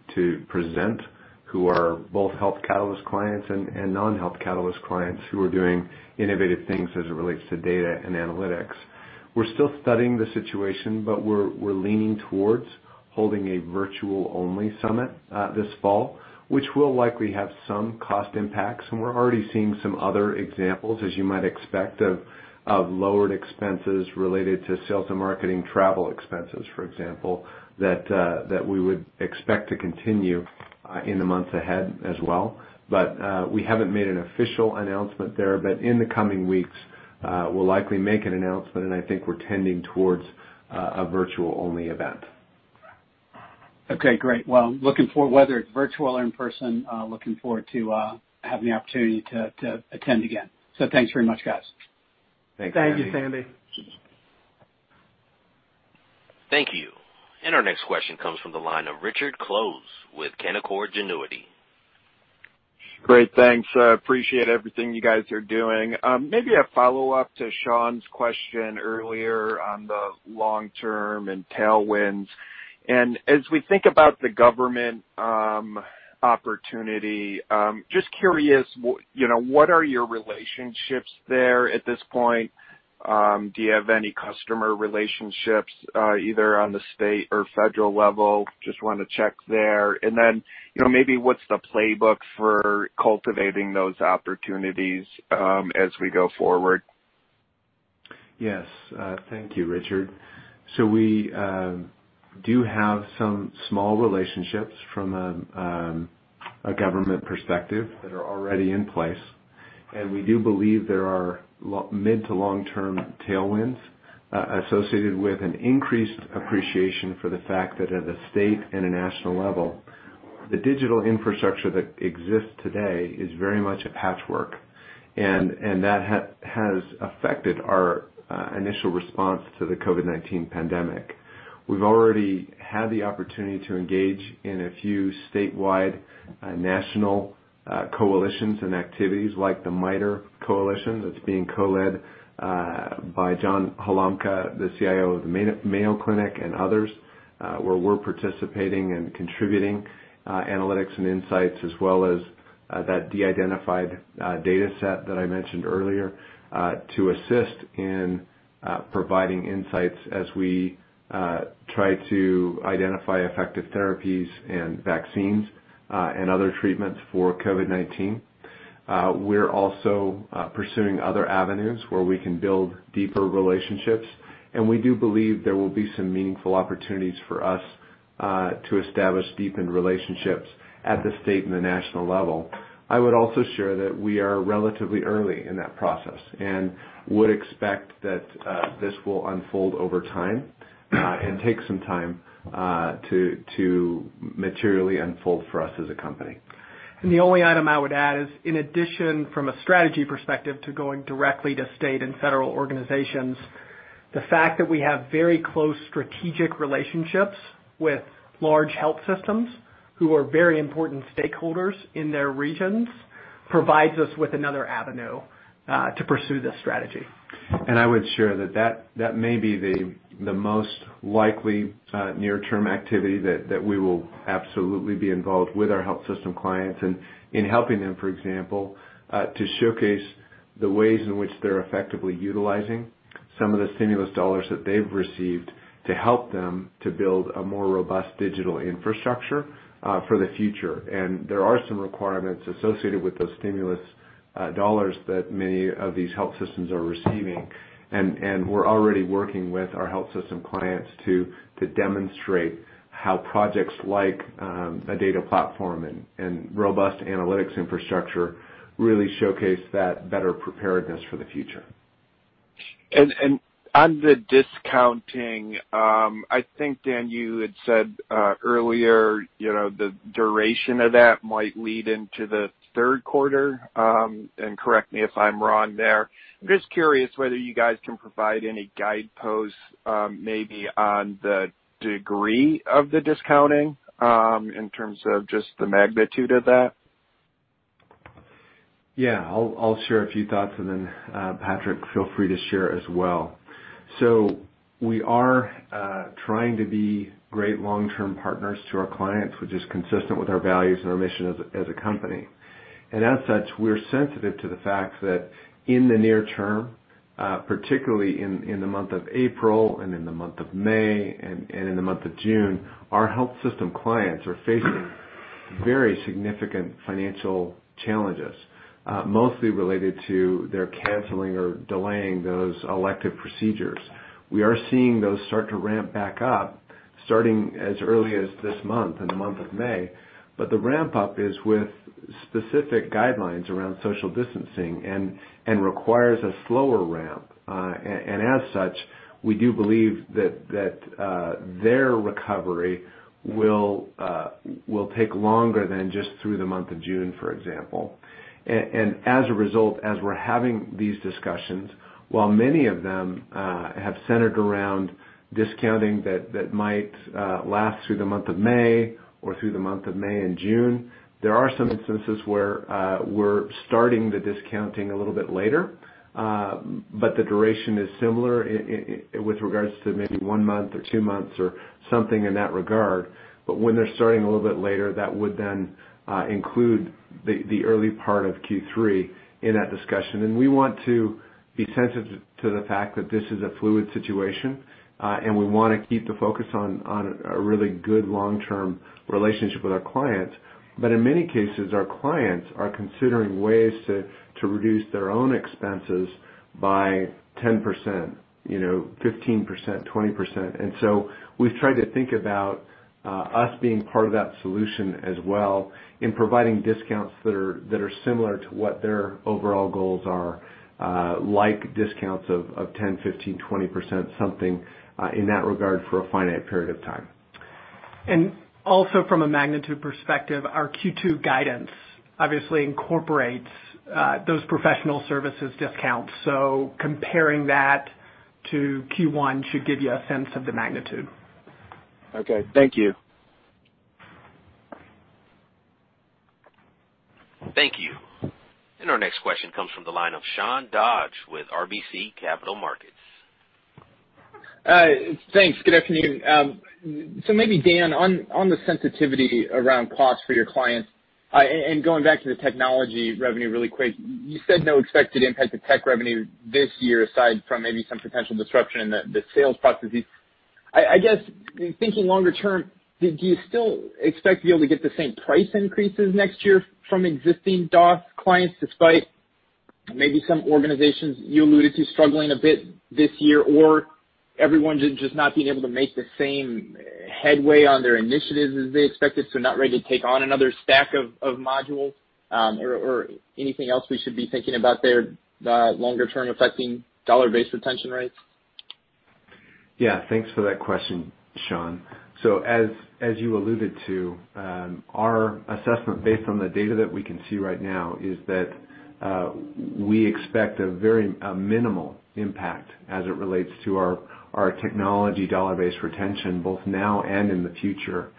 present who are both Health Catalyst clients and non-Health Catalyst clients who are doing innovative things as it relates to data and analytics. We're still studying the situation, but we're leaning towards holding a virtual-only summit this fall, which will likely have some cost impacts. We're already seeing some other examples, as you might expect, of lowered expenses related to sales and marketing travel expenses, for example, that we would expect to continue in the months ahead as well. We haven't made an official announcement there, but in the coming weeks, we'll likely make an announcement, and I think we're tending towards a virtual-only event. Okay, great. Well, looking forward, whether it's virtual or in person, looking forward to having the opportunity to attend again. Thanks very much, guys. Thanks, Sandy. Thank you, Sandy. Thank you. Our next question comes from the line of Richard Close with Canaccord Genuity. Great. Thanks. I appreciate everything you guys are doing. Maybe a follow-up to Sean's question earlier on the long term and tailwinds. As we think about the government opportunity, just curious, what are your relationships there at this point? Do you have any customer relationships, either on the state or federal level? Just want to check there. Maybe what's the playbook for cultivating those opportunities as we go forward? Yes. Thank you, Richard. We do have some small relationships from a government perspective that are already in place, and we do believe there are mid to long-term tailwinds associated with an increased appreciation for the fact that at a state and a national level, the digital infrastructure that exists today is very much a patchwork, and that has affected our initial response to the COVID-19 pandemic. We've already had the opportunity to engage in a few statewide national coalitions and activities like the MITRE coalition that's being co-led by John Halamka, the CIO of the Mayo Clinic and others, where we're participating and contributing analytics and insights as well as that de-identified data set that I mentioned earlier, to assist in providing insights as we try to identify effective therapies and vaccines, and other treatments for COVID-19. We're also pursuing other avenues where we can build deeper relationships. We do believe there will be some meaningful opportunities for us to establish deepened relationships at the state and the national level. I would also share that we are relatively early in that process and would expect that this will unfold over time and take some time to materially unfold for us as a company. The only item I would add is, in addition from a strategy perspective to going directly to state and federal organizations, the fact that we have very close strategic relationships with large health systems who are very important stakeholders in their regions, provides us with another avenue to pursue this strategy. I would share that may be the most likely near-term activity that we will absolutely be involved with our health system clients in helping them, for example, to showcase the ways in which they're effectively utilizing some of the stimulus dollars that they've received to help them to build a more robust digital infrastructure for the future. There are some requirements associated with those stimulus dollars that many of these health systems are receiving. We're already working with our health system clients to demonstrate how projects like a data platform and robust analytics infrastructure really showcase that better preparedness for the future. On the discounting, I think, Dan, you had said earlier the duration of that might lead into the third quarter, and correct me if I'm wrong there. I'm just curious whether you guys can provide any guideposts, maybe on the degree of the discounting, in terms of just the magnitude of that. I'll share a few thoughts and then Patrick, feel free to share as well. We are trying to be great long-term partners to our clients, which is consistent with our values and our mission as a company. As such, we're sensitive to the fact that in the near term, particularly in the month of April and in the month of May and in the month of June, our health system clients are facing very significant financial challenges, mostly related to their canceling or delaying those elective procedures. We are seeing those start to ramp back up, starting as early as this month, in the month of May. The ramp up is with specific guidelines around social distancing and requires a slower ramp. As such, we do believe that their recovery will take longer than just through the month of June, for example. As a result, as we're having these discussions, while many of them have centered around discounting that might last through the month of May or through the month of May and June, there are some instances where we're starting the discounting a little bit later. The duration is similar with regards to maybe one month or two months or something in that regard. When they're starting a little bit later, that would then include the early part of Q3 in that discussion. We want to be sensitive to the fact that this is a fluid situation. We want to keep the focus on a really good long-term relationship with our clients. In many cases, our clients are considering ways to reduce their own expenses by 10%, 15%, 20%. We've tried to think about us being part of that solution as well in providing discounts that are similar to what their overall goals are, like discounts of 10%, 15%, 20%, something in that regard for a finite period of time. Also from a magnitude perspective, our Q2 guidance obviously incorporates those professional services discounts. Comparing that to Q1 should give you a sense of the magnitude. Okay. Thank you. Thank you. Our next question comes from the line of Sean Dodge with RBC Capital Markets. Thanks. Good afternoon. Maybe Dan, on the sensitivity around costs for your clients, going back to the technology revenue really quick, you said no expected impact to tech revenue this year aside from maybe some potential disruption in the sales processes. I guess, in thinking longer term, do you still expect to be able to get the same price increases next year from existing DOS clients, despite maybe some organizations you alluded to struggling a bit this year? Everyone just not being able to make the same headway on their initiatives as they expected, so not ready to take on another stack of modules? Anything else we should be thinking about there longer term affecting dollar-based retention rates? Thanks for that question, Sean. As you alluded to, our assessment based on the data that we can see right now is that we expect a very minimal impact as it relates to our technology dollar-based retention, both now and in the future.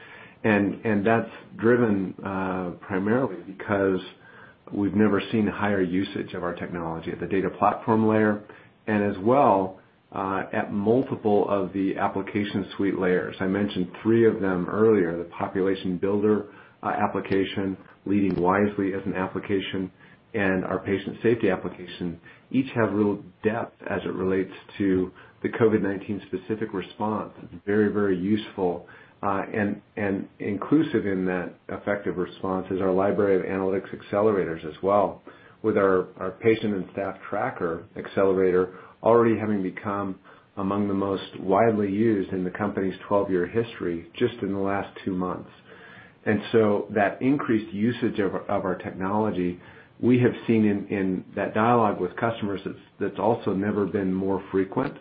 That's driven primarily because we've never seen higher usage of our technology at the data platform layer, and as well at multiple of the application suite layers. I mentioned three of them earlier, the Population Builder application, Leading Wisely as an application, and our Patient Safety application. Each have real depth as it relates to the COVID-19 specific response. Very, very useful. Inclusive in that effective response is our library of analytics accelerators as well, with our Patient and Staff Tracker accelerator already having become among the most widely used in the company's 12-year history just in the last two months. That increased usage of our technology, we have seen in that dialogue with customers that's also never been more frequent.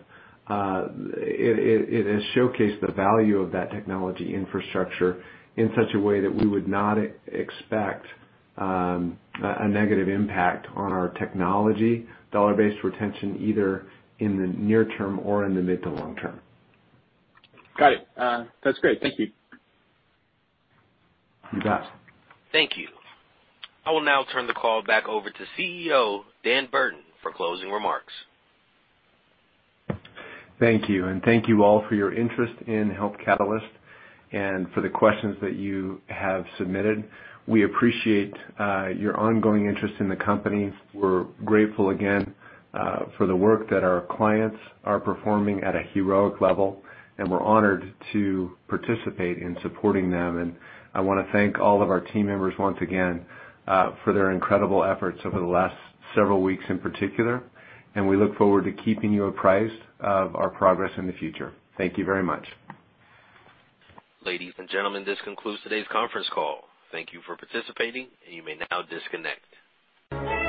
It has showcased the value of that technology infrastructure in such a way that we would not expect a negative impact on our technology dollar-based retention either in the near term or in the mid to long term. Got it. That's great. Thank you. You bet. Thank you. I will now turn the call back over to CEO Dan Burton for closing remarks. Thank you. Thank you all for your interest in Health Catalyst and for the questions that you have submitted. We appreciate your ongoing interest in the company. We're grateful again for the work that our clients are performing at a heroic level, and we're honored to participate in supporting them. I want to thank all of our team members once again for their incredible efforts over the last several weeks in particular. We look forward to keeping you apprised of our progress in the future. Thank you very much. Ladies and gentlemen, this concludes today's conference call. Thank you for participating, and you may now disconnect.